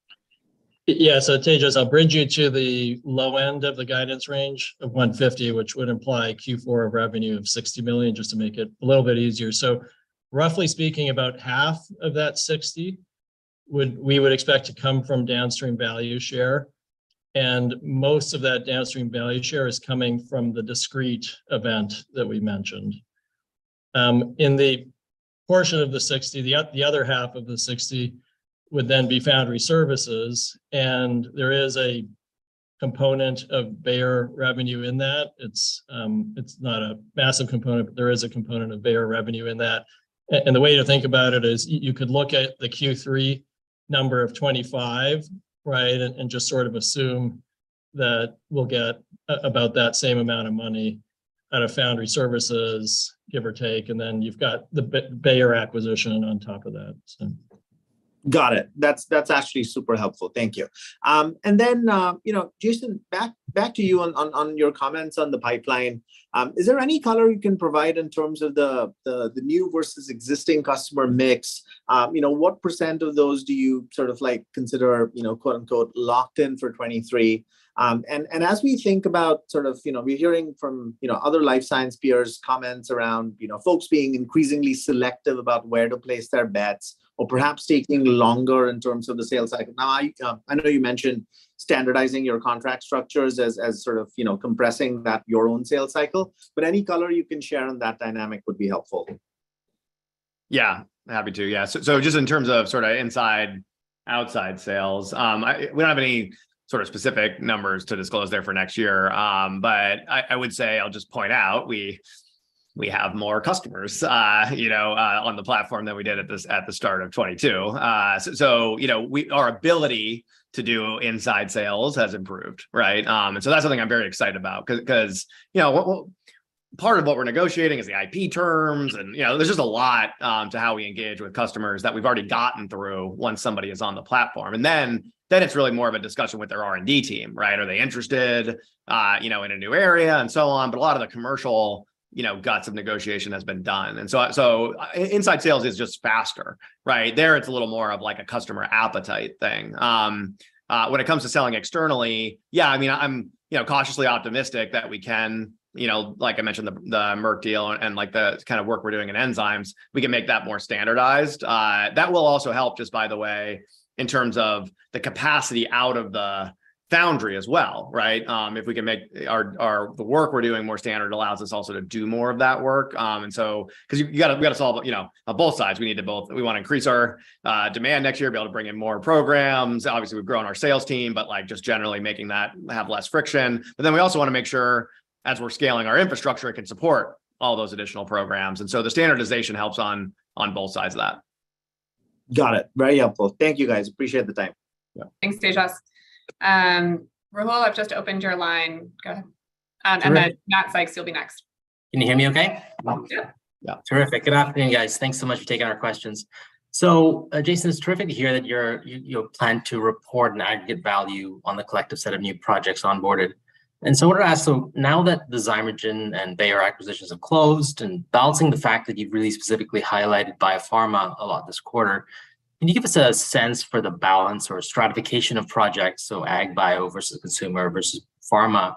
Yeah. Tejas, I'll bridge you to the low end of the guidance range of $150 million, which would imply Q4 revenue of $60 million just to make it a little bit easier. Roughly speaking, about half of that 60 million would we would expect to come from downstream value share, and most of that downstream value share is coming from the discrete event that we mentioned. In the portion of the 60 million, the other half of the 60 million would then be foundry services, and there is a component of Bayer revenue in that. It's not a massive component, but there is a component of Bayer revenue in that. The way to think about it is you could look at the Q3 number of $25, right, and just sort of assume that we'll get about that same amount of money out of foundry services, give or take, and then you've got the Bayer acquisition on top of that. Got it. That's actually super helpful. Thank you. You know, Jason, back to you on your comments on the pipeline. Is there any color you can provide in terms of the new versus existing customer mix? You know, what percent of those do you sort of like consider, you know, quote-unquote, “locked in” for 2023? And as we think about sort of, you know, we're hearing from, you know, other life science peers' comments around, you know, folks being increasingly selective about where to place their bets or perhaps taking longer in terms of the sales cycle. Now, I know you mentioned standardizing your contract structures as sort of, you know, compressing your own sales cycle, but any color you can share on that dynamic would be helpful. Yeah, happy to. Yeah, just in terms of sort of inside-outside sales, we don't have any sort of specific numbers to disclose there for next year. I would say, I'll just point out, we have more customers, you know, on the platform than we did at the start of 2022. So you know, our ability to do inside sales has improved, right? That's something I'm very excited about 'cause you know, part of what we're negotiating is the IP terms and, you know, there's just a lot to how we engage with customers that we've already gotten through once somebody is on the platform. Then it's really more of a discussion with their R&D team, right? Are they interested, you know, in a new area, and so on. A lot of the commercial, you know, guts of negotiation has been done. Inside sales is just faster, right? There, it's a little more of, like, a customer appetite thing. When it comes to selling externally, yeah, I mean, I'm, you know, cautiously optimistic that we can, you know, like I mentioned, the Merck deal and, like, the kind of work we're doing in enzymes, we can make that more standardized. That will also help just by the way, in terms of the capacity out of the foundry as well, right? If we can make our the work we're doing more standard, allows us also to do more of that work. 'Cause you gotta, we gotta solve, you know, on both sides, we need to both, we wanna increase our demand next year, be able to bring in more programs. Obviously, we've grown our sales team, but, like, just generally making that have less friction. We also wanna make sure as we're scaling our infrastructure, it can support all those additional programs, and so the standardization helps on both sides of that. Got it. Very helpful. Thank you, guys. Appreciate the time. Yeah. Thanks, Tejas. Rahul, I've just opened your line. Go ahead. Terrific. Matthew Sykes, you'll be next. Can you hear me okay? Yeah. Yeah. Terrific. Good afternoon, guys. Thanks so much for taking our questions. Jason, it's terrific to hear that you plan to report an aggregate value on the collective set of new projects onboarded. I wanted to ask, so now that the Zymergen and Bayer acquisitions have closed, and balancing the fact that you've really specifically highlighted biopharma a lot this quarter, can you give us a sense for the balance or stratification of projects, so ag, bio, versus consumer versus pharma,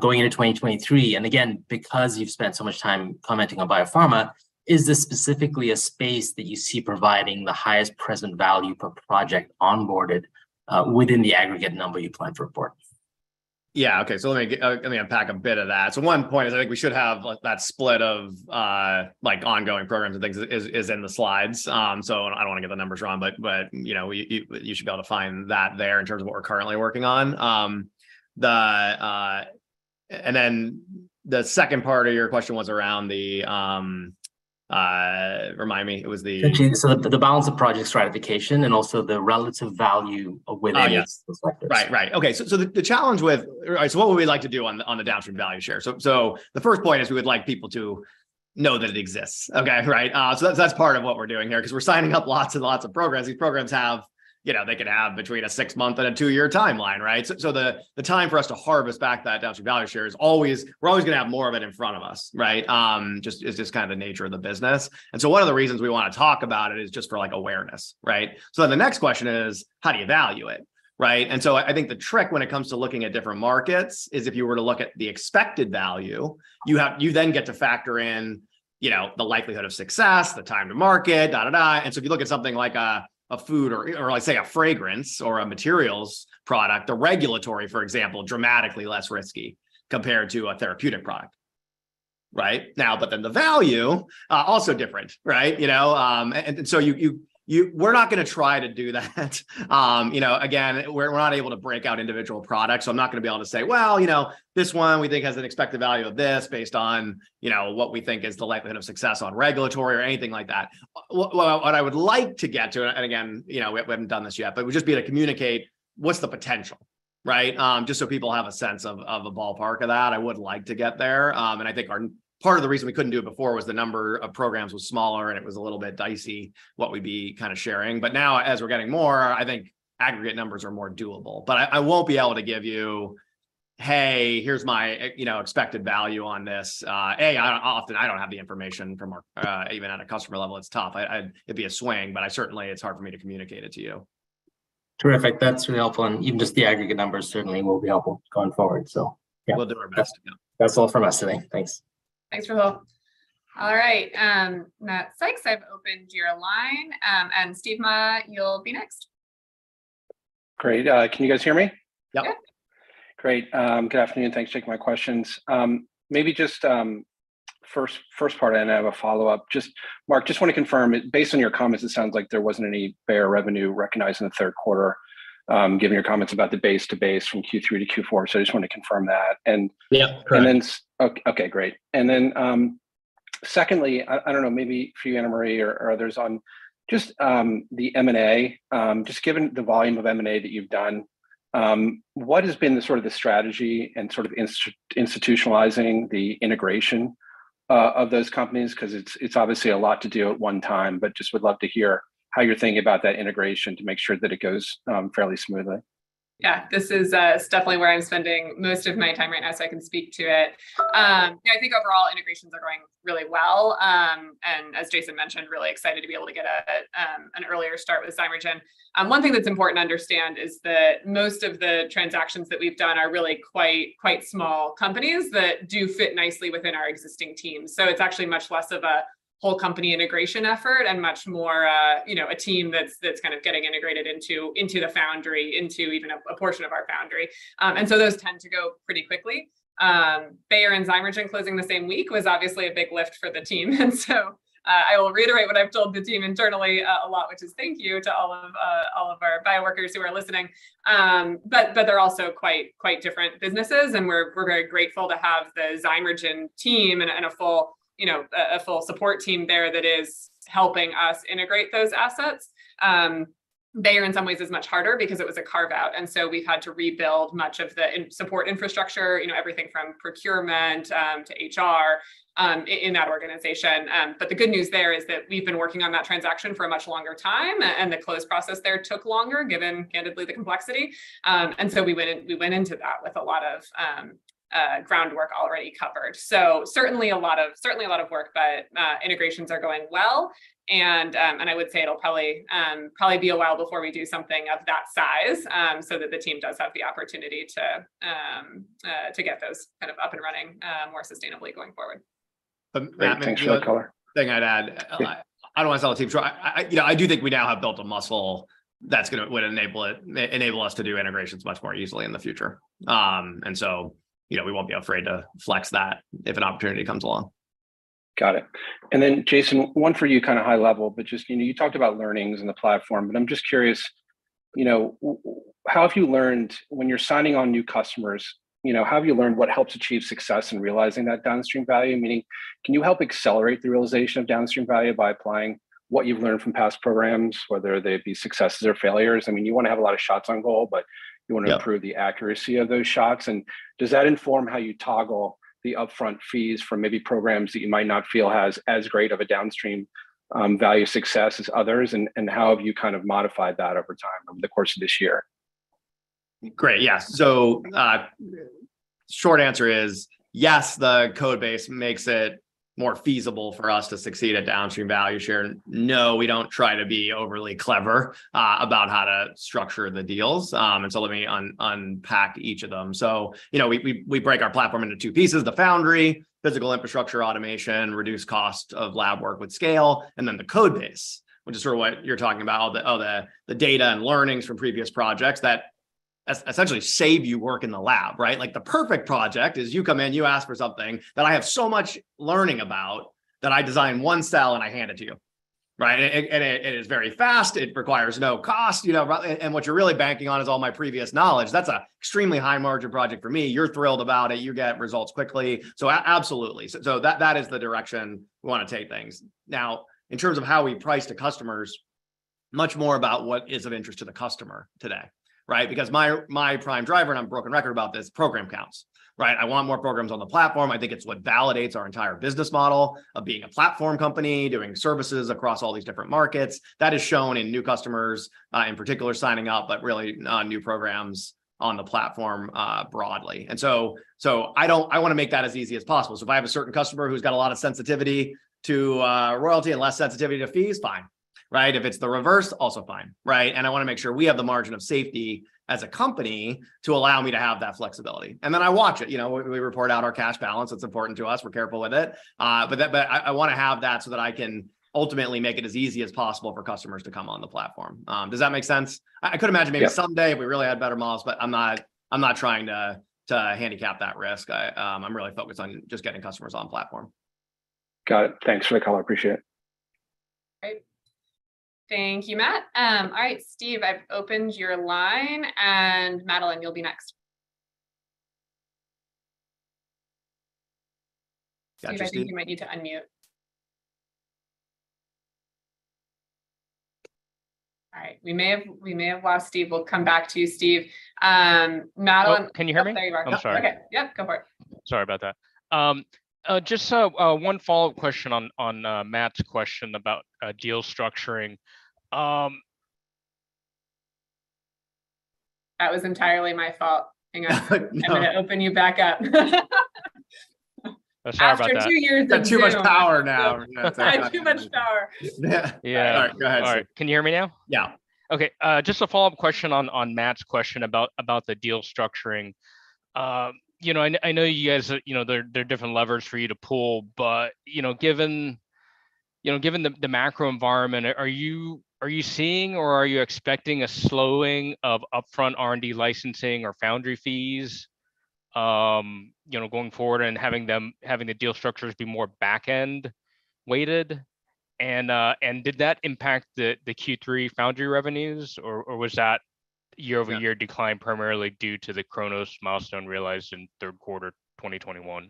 going into 2023? Again, because you've spent so much time commenting on biopharma, is this specifically a space that you see providing the highest present value per project onboarded, within the aggregate number you plan to report? Yeah. Okay, let me unpack a bit of that. One point is I think we should have, like, that split of, like, ongoing programs and things is in the slides. I don't want to get the numbers wrong, but you know, you should be able to find that there in terms of what we're currently working on. Then the second part of your question was around the remind me. It was the. The balance of project stratification and also the relative value within these perspectives. Yeah. Right. Okay. What would we like to do on the downstream value share? The first point is we would like people to know that it exists. That's part of what we're doing here, 'cause we're signing up lots and lots of programs. These programs have, you know, they could have between a six-month and a two-year timeline, right? The time for us to harvest back that downstream value share is always, we're always gonna have more of it in front of us, right? It's just kind of the nature of the business. One of the reasons we wanna talk about it is just for, like, awareness, right? The next question is, how do you value it, right? I think the trick when it comes to looking at different markets is if you were to look at the expected value, you then get to factor in, you know, the likelihood of success, the time to market. If you look at something like a food or like, say, a fragrance or a materials product, the regulatory, for example, dramatically less risky compared to a therapeutic product. Right? Now, but then the value also different, right? You know? We're not gonna try to do that. You know, again, we're not able to break out individual products, so I'm not gonna be able to say, "Well, you know, this one we think has an expected value of this based on, you know, what we think is the likelihood of success on regulatory," or anything like that. What I would like to get to, and again, you know, we haven't done this yet, but it would just be to communicate what's the potential, right? Just so people have a sense of a ballpark of that. I would like to get there. I think our part of the reason we couldn't do it before was the number of programs was smaller and it was a little bit dicey what we'd be kinda sharing. Now, as we're getting more, I think aggregate numbers are more doable. I won't be able to give you, "Hey, here's my, you know, expected value on this." I don't often have the information from our even at a customer level, it's tough. It'd be a swing, but certainly it's hard for me to communicate it to you. Terrific. That's really helpful, and even just the aggregate numbers certainly will be helpful going forward. Yeah We'll do our best. Yeah. That's all from us today. Thanks. Thanks, Rahul. All right. Matthew Sykes, I've opened your line, and Steven Mah, you'll be next. Great. Can you guys hear me? Yep. Yep. Great. Good afternoon. Thanks for taking my questions. Maybe just first part, and I have a follow-up. Just, Mark, just want to confirm, based on your comments, it sounds like there wasn't any Bayer revenue recognized in the third quarter, given your comments about the B2B from Q3 to Q4, so I just wanted to confirm that. Yep. Correct. Okay, great. Secondly, I don't know, maybe for you, Anna Marie Wagner or others on just the M&A. Just given the volume of M&A that you've done, what has been the strategy and institutionalizing the integration of those companies? 'Cause it's obviously a lot to do at one time, but just would love to hear how you're thinking about that integration to make sure that it goes fairly smoothly. Yeah. This is, it's definitely where I'm spending most of my time right now, so I can speak to it. Yeah, I think overall integrations are going really well. As Jason mentioned, really excited to be able to get an earlier start with Zymergen. One thing that's important to understand is that most of the transactions that we've done are really quite small companies that do fit nicely within our existing team. It's actually much less of a whole company integration effort and much more, you know, a team that's kind of getting integrated into the foundry, into even a portion of our foundry. Those tend to go pretty quickly. Bayer and Zymergen closing the same week was obviously a big lift for the team. I will reiterate what I've told the team internally a lot, which is thank you to all of our bioworkers who are listening. They're also quite different businesses, and we're very grateful to have the Zymergen team and a full, you know, full support team there that is helping us integrate those assets. They are in some ways it's much harder because it was a carve-out, and so we've had to rebuild much of the support infrastructure, you know, everything from procurement to HR in that organization. The good news there is that we've been working on that transaction for a much longer time, and the close process there took longer given candidly the complexity. We went into that with a lot of groundwork already covered. Certainly a lot of work, but integrations are going well. I would say it'll probably be a while before we do something of that size, so that the team does have the opportunity to get those kind up and running more sustainably going forward. Great. Thanks for the color. The thing I'd add, I don't want to sell the team short. I, you know, I do think we now have built a muscle that would enable us to do integrations much more easily in the future. You know, we won't be afraid to flex that if an opportunity comes along. Got it. Jason, one for you kind of high level, but just, you know, you talked about learnings in the platform, but I'm just curious, you know, how have you learned when you're signing on new customers, you know, how have you learned what helps achieve success in realizing that downstream value? Meaning can you help accelerate the realization of downstream value by applying what you've learned from past programs, whether they be successes or failures? I mean, you want to have a lot of shots on goal, but you want to- Yeah... improve the accuracy of those shots. Does that inform how you toggle the upfront fees for maybe programs that you might not feel has as great of a downstream value success as others? How have you kind of modified that over time over the course of this year? Great. Yeah. Short answer is yes, the code base makes it more feasible for us to succeed at downstream value share. No, we don't try to be overly clever about how to structure the deals. Let me unpack each of them. You know, we break our platform into two pieces, the foundry, physical infrastructure, automation, reduced cost of lab work with scale, and then the code base, which is sort of what you're talking about, all the data and learnings from previous projects that essentially save you work in the lab, right? Like the perfect project is you come in, you ask for something that I have so much learning about that I design one cell and I hand it to you, right? It is very fast. It requires no cost, you know, and what you're really banking on is all my previous knowledge. That's an extremely high margin project for me. You're thrilled about it. You get results quickly. Absolutely. That is the direction we want to take things. Now, in terms of how we price to customers, much more about what is of interest to the customer today, right? Because my prime driver, and I'm a broken record about this, program counts, right? I want more programs on the platform. I think it's what validates our entire business model of being a platform company, doing services across all these different markets. That is shown in new customers, in particular signing up, but really on new programs on the platform, broadly. I want to make that as easy as possible. If I have a certain customer who's got a lot of sensitivity to royalty and less sensitivity to fees, fine, right? If it's the reverse, also fine, right? I want to make sure we have the margin of safety as a company to allow me to have that flexibility. Then I watch it, you know. We report out our cash balance. It's important to us. We're careful with it. But I want to have that so that I can ultimately make it as easy as possible for customers to come on the platform. Does that make sense? Yep. I could imagine maybe someday if we really had better models, but I'm not trying to handicap that risk. I'm really focused on just getting customers on platform. Got it. Thanks for the color. Appreciate it. Great. Thank you, Matt. All right, Steve, I've opened your line, and Madeline, you'll be next. Got you, Steve. Steve, I think you might need to unmute. All right. We may have lost Steve. We'll come back to you, Steve. Madeline. Oh, can you hear me? Oh, there you are. I'm sorry. Okay. Yep, go for it. Sorry about that. Just one follow-up question on Matt's question about deal structuring. That was entirely my fault. Hang on. No. I'm gonna open you back up. Sorry about that. After two years of Zoom. You've got too much power now. I have too much power. Yeah. All right, go ahead, Steve. All right. Can you hear me now? Yeah. Okay. Just a follow-up question on Matt's question about the deal structuring. You know, and I know you guys, you know, there are different levers for you to pull, but you know, given you know, given the macro environment, are you seeing or are you expecting a slowing of upfront R&D licensing or foundry fees, you know, going forward and having the deal structures be more back-end weighted? And did that impact the Q3 foundry revenues, or was that year-over-year decline primarily due to the Cronos milestone realized in third quarter 2021?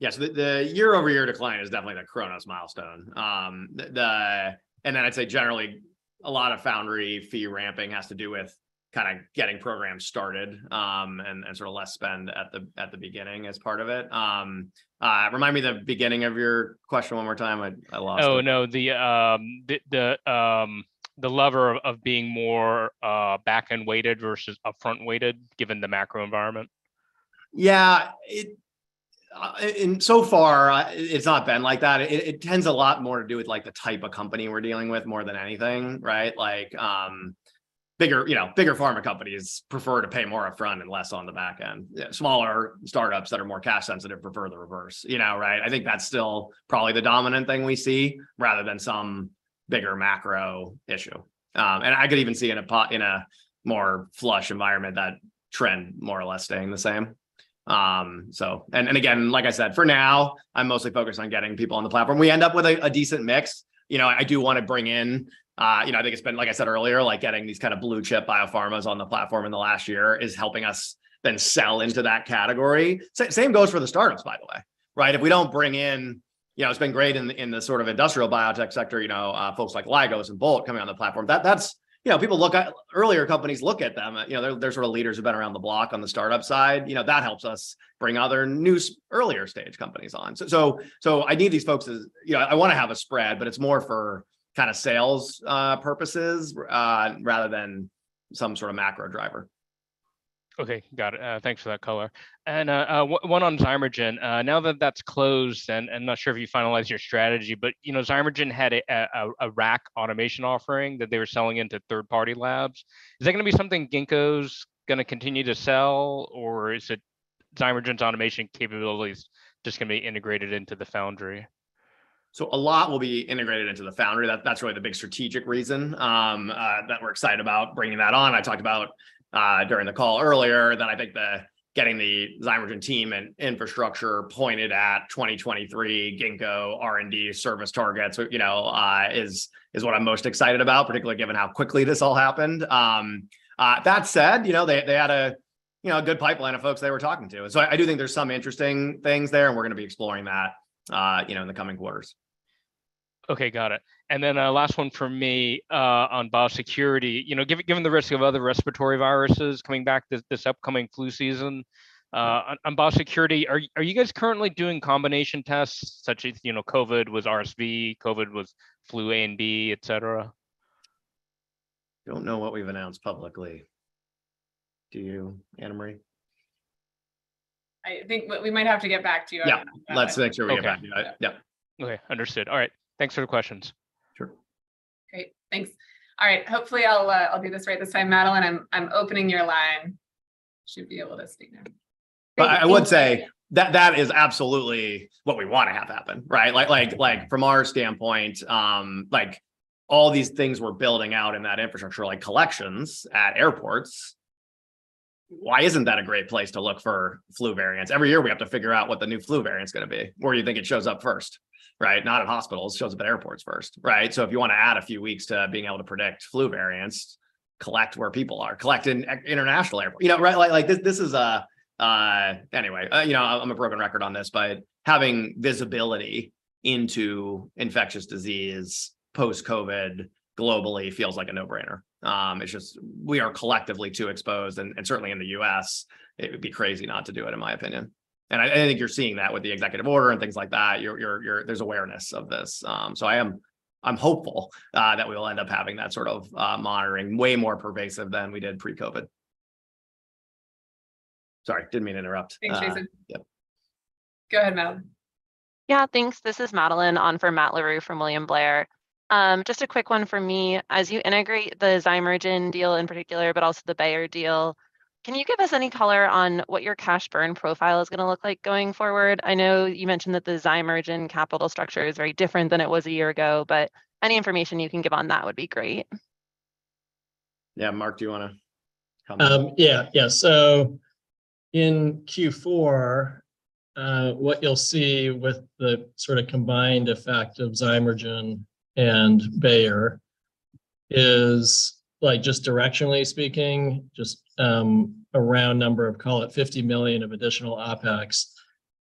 Yeah, the year-over-year decline is definitely the Cronos milestone. I'd say generally, a lot of foundry fee ramping has to do with kind of getting programs started, and sort of less spend at the beginning as part of it. Remind me the beginning of your question one more time. I lost it. Oh, no, the lever of being more back-end weighted versus upfront weighted given the macro environment. Yeah. So far it's not been like that. It tends a lot more to do with like the type of company we're dealing with more than anything, right? Like, bigger, you know, pharma companies prefer to pay more upfront and less on the back end. Smaller startups that are more cash sensitive prefer the reverse, you know, right? I think that's still probably the dominant thing we see rather than some bigger macro issue. I could even see in a more flush environment, that trend more or less staying the same. Again, like I said, for now I'm mostly focused on getting people on the platform. We end up with a decent mix. You know, I do wanna bring in, you know, I think it's been, like I said earlier, like, getting these kind of blue chip biopharmas on the platform in the last year is helping us then sell into that category. Same goes for the startups, by the way, right? You know, it's been great in the sort of industrial biotech sector, you know, folks like Lygos and Bolt Threads coming on the platform. That's, you know, people look at them. Earlier companies look at them, you know, they're sort of leaders who've been around the block on the startup side, you know, that helps us bring other new earlier stage companies on. I need these folks as, you know, I wanna have a spread, but it's more for kinda sales purposes rather than some sort of macro driver. Okay. Got it. Thanks for that color. One on Zymergen. Now that that's closed, and I'm not sure if you finalized your strategy, but you know, Zymergen had a rack automation offering that they were selling into third-party labs. Is that gonna be something Ginkgo's gonna continue to sell, or is it Zymergen's automation capabilities just gonna be integrated into the foundry? A lot will be integrated into the foundry. That's really the big strategic reason that we're excited about bringing that on. I talked about during the call earlier that I think the getting the Zymergen team and infrastructure pointed at 2023 Ginkgo R&D service targets, you know, is what I'm most excited about, particularly given how quickly this all happened. That said, you know, they had a good pipeline of folks they were talking to. I do think there's some interesting things there, and we're gonna be exploring that, you know, in the coming quarters. Okay, got it. A last one from me on biosecurity. You know, given the risk of other respiratory viruses coming back this upcoming flu season, on biosecurity, are you guys currently doing combination tests such as, you know, COVID with RSV, COVID with flu A and B, et cetera? Don't know what we've announced publicly. Do you, Anna Marie? I think we might have to get back to you on that one. Yeah. Let's make sure we get back to you. Okay. Yeah. Okay. Understood. All right. Thanks for the questions. Sure. Great. Thanks. All right. Hopefully I'll do this right this time. Madeline, I'm opening your line. Should be able to speak now. I would say that is absolutely what we wanna have happen, right? Like, from our standpoint, all these things we're building out in that infrastructure, like collections at airports, why isn't that a great place to look for flu variants? Every year we have to figure out what the new flu variant's gonna be. Where do you think it shows up first, right? Not in hospitals. Shows up at airports first, right? If you wanna add a few weeks to being able to predict flu variants, collect where people are. Collect in international airport. You know, right? Like, this is a. Anyway, you know, I'm a broken record on this, but having visibility into infectious disease post-COVID globally feels like a no-brainer. It's just we are collectively too exposed, and certainly in the U.S., it would be crazy not to do it, in my opinion, and I think you're seeing that with the executive order and things like that. There's awareness of this. I'm hopeful that we'll end up having that sort of monitoring way more pervasive than we did pre-COVID. Sorry, didn't mean to interrupt. Thanks, Jason. Yeah. Go ahead, Madeline. Yeah, thanks. This is Madeline on for Matt Larew from William Blair. Just a quick one for me. As you integrate the Zymergen deal in particular, but also the Bayer deal, can you give us any color on what your cash burn profile is gonna look like going forward? I know you mentioned that the Zymergen capital structure is very different than it was a year ago, but any information you can give on that would be great. Yeah. Mark, do you wanna comment? Yeah, yeah. In Q4, what you'll see with the sort of combined effect of Zymergen and Bayer is, like just directionally speaking, just a round number of, call it, $50 million of additional OpEx.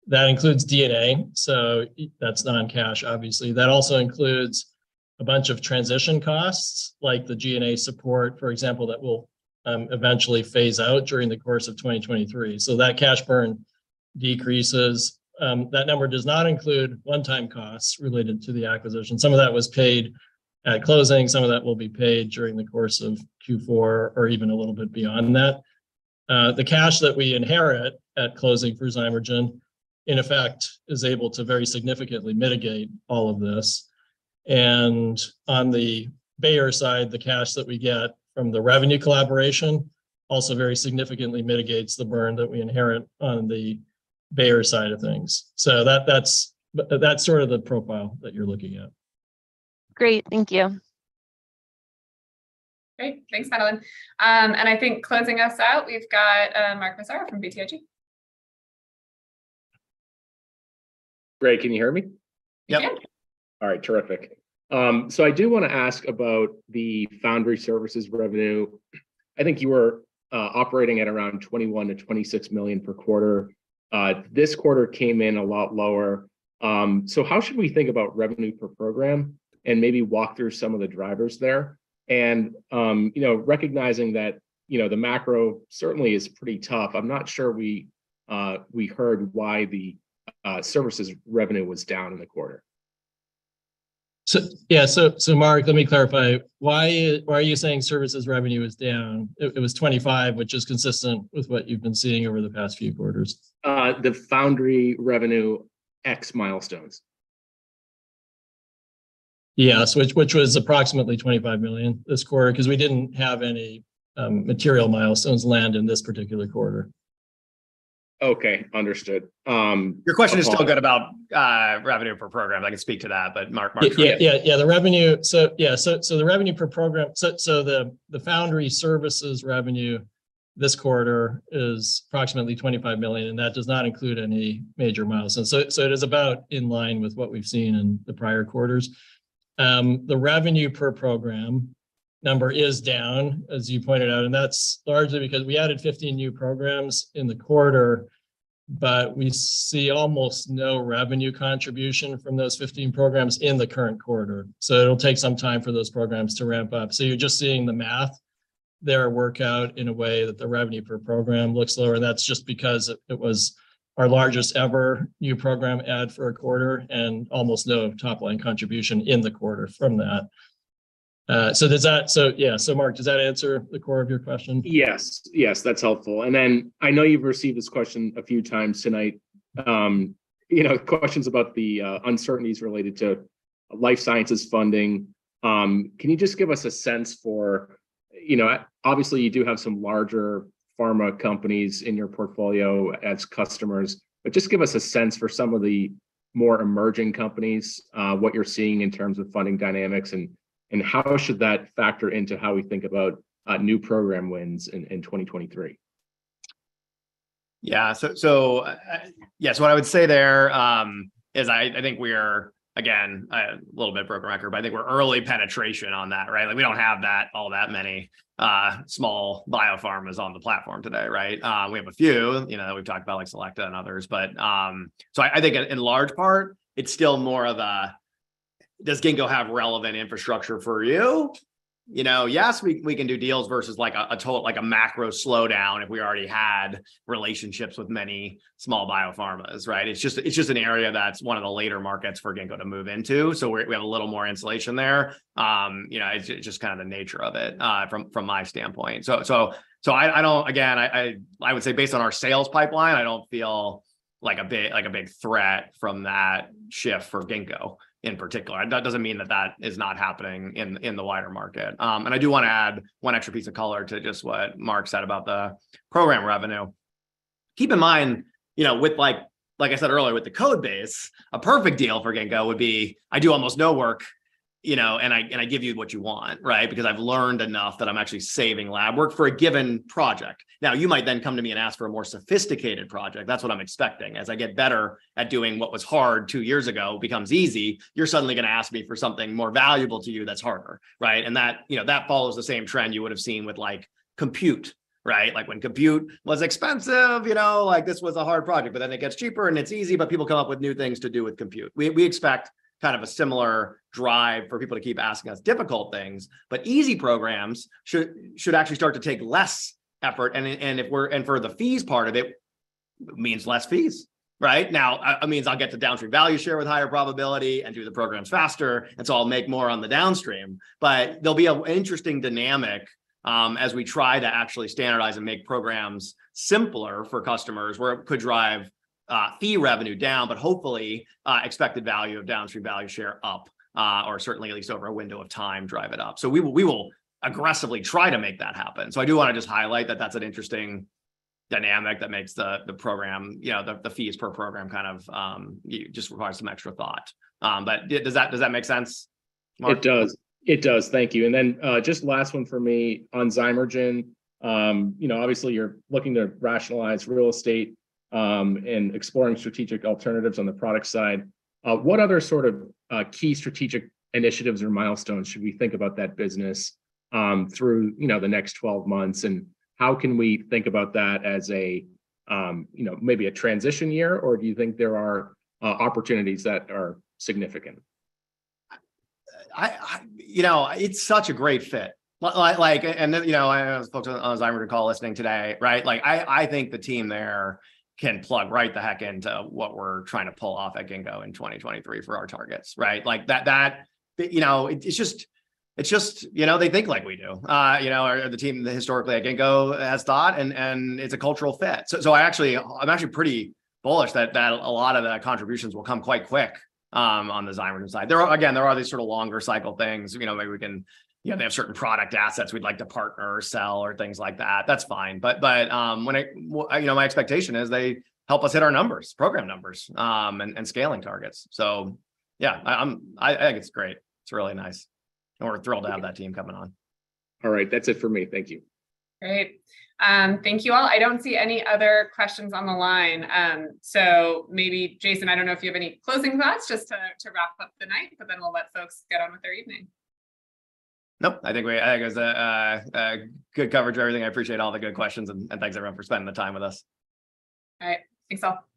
That includes D&A, so that's non-cash obviously. That also includes a bunch of transition costs, like the G&A support, for example, that will eventually phase out during the course of 2023. That cash burn decreases. That number does not include one-time costs related to the acquisition. Some of that was paid at closing, some of that will be paid during the course of Q4, or even a little bit beyond that. The cash that we inherit at closing for Zymergen, in effect, is able to very significantly mitigate all of this. On the Bayer side, the cash that we get from the revenue collaboration also very significantly mitigates the burn that we inherit on the Bayer side of things. That's sort of the profile that you're looking at. Great. Thank you. Great. Thanks, Madeline. I think closing us out, we've got Mark Massaro from BTIG. Great. Can you hear me? Yep. Yeah. All right, terrific. So I do wanna ask about the foundry services revenue. I think you were operating at around $21 million-$26 million per quarter. This quarter came in a lot lower. So how should we think about revenue per program, and maybe walk through some of the drivers there? You know, recognizing that, you know, the macro certainly is pretty tough, I'm not sure we heard why the services revenue was down in the quarter. Yeah, Mark, let me clarify. Why are you saying services revenue is down? It was $25, which is consistent with what you've been seeing over the past few quarters. The foundry revenue ex-milestones. Yes, which was approximately $25 million this quarter, 'cause we didn't have any material milestones land in this particular quarter. Okay, understood. Your question is still good about revenue per program. I can speak to that, but Mark Dmytruk, Yeah, the revenue per program, the foundry services revenue this quarter is approximately $25 million, and that does not include any major milestones. It is about in line with what we've seen in the prior quarters. The revenue per program number is down, as you pointed out, and that's largely because we added 15 new programs in the quarter, but we see almost no revenue contribution from those 15 programs in the current quarter. It'll take some time for those programs to ramp up. You're just seeing the math there work out in a way that the revenue per program looks lower, and that's just because it was our largest ever new program add for a quarter and almost no top-line contribution in the quarter from that. Does that. Yeah, so Mark, does that answer the core of your question? Yes. Yes, that's helpful. I know you've received this question a few times tonight, you know, questions about the uncertainties related to life sciences funding. Can you just give us a sense for, you know, obviously you do have some larger pharma companies in your portfolio as customers, but just give us a sense for some of the more emerging companies, what you're seeing in terms of funding dynamics and how should that factor into how we think about new program wins in 2023? What I would say there is I think we're, again, a little bit broken record, but I think we're early penetration on that, right? Like, we don't have that, all that many small biopharmas on the platform today, right? We have a few, you know, that we've talked about, like Selecta and others. I think in large part, it's still more of a, "Does Ginkgo have relevant infrastructure for you?" You know, yes, we can do deals versus like a total, like a macro slowdown if we already had relationships with many small biopharmas, right? It's just an area that's one of the later markets for Ginkgo to move into, so we have a little more insulation there. You know, it's just kind of the nature of it from my standpoint. I would say based on our sales pipeline, I don't feel like a big threat from that shift for Ginkgo in particular. That doesn't mean that is not happening in the wider market. I do wanna add one extra piece of color to just what Mark said about the program revenue. Keep in mind, you know, with like I said earlier with the code base, a perfect deal for Ginkgo would be I do almost no work, you know, and I give you what you want, right? Because I've learned enough that I'm actually saving lab work for a given project. Now, you might then come to me and ask for a more sophisticated project. That's what I'm expecting. As I get better at doing what was hard two years ago becomes easy, you're suddenly gonna ask me for something more valuable to you that's harder, right? That, you know, that follows the same trend you would've seen with, like, compute, right? Like, when compute was expensive, you know, like, this was a hard project. Then it gets cheaper and it's easy, but people come up with new things to do with compute. We expect kind of a similar drive for people to keep asking us difficult things. Easy programs should actually start to take less effort. For the fees part of it, means less fees. Right? Now, it means I'll get the downstream value share with higher probability and do the programs faster, and so I'll make more on the downstream. there'll be a interesting dynamic as we try to actually standardize and make programs simpler for customers where it could drive fee revenue down, but hopefully expected value of downstream value share up, or certainly at least over a window of time drive it up. We will aggressively try to make that happen. I do wanna just highlight that that's an interesting dynamic that makes the program, you know, the fees per program kind of just require some extra thought. Does that make sense, Mark? It does. Thank you. Then just last one for me on Zymergen. You know, obviously you're looking to rationalize real estate and exploring strategic alternatives on the product side. What other sort of key strategic initiatives or milestones should we think about that business through, you know, the next 12 months, and how can we think about that as a, you know, maybe a transition year, or do you think there are opportunities that are significant? You know, it's such a great fit. Like, you know, I spoke on the Zymergen call listening today, right? Like, I think the team there can plug right the heck into what we're trying to pull off at Ginkgo in 2023 for our targets, right? Like, that you know, it's just, you know, they think like we do. You know, the team historically at Ginkgo has thought, and it's a cultural fit. I'm actually pretty bullish that a lot of the contributions will come quite quickly on the Zymergen side. There are, again, these sort of longer cycle things, you know, maybe we can, you know, they have certain product assets we'd like to partner or sell or things like that. That's fine. when it, you know, my expectation is they help us hit our numbers, program numbers, and scaling targets. Yeah, I think it's great. It's really nice, and we're thrilled to have that team coming on. All right. That's it for me. Thank you. Great. Thank you all. I don't see any other questions on the line, so maybe Jason, I don't know if you have any closing thoughts just to wrap up the night, but then we'll let folks get on with their evening. Nope. I think it was a good coverage of everything. I appreciate all the good questions, and thanks everyone for spending the time with us. All right. Thanks, all.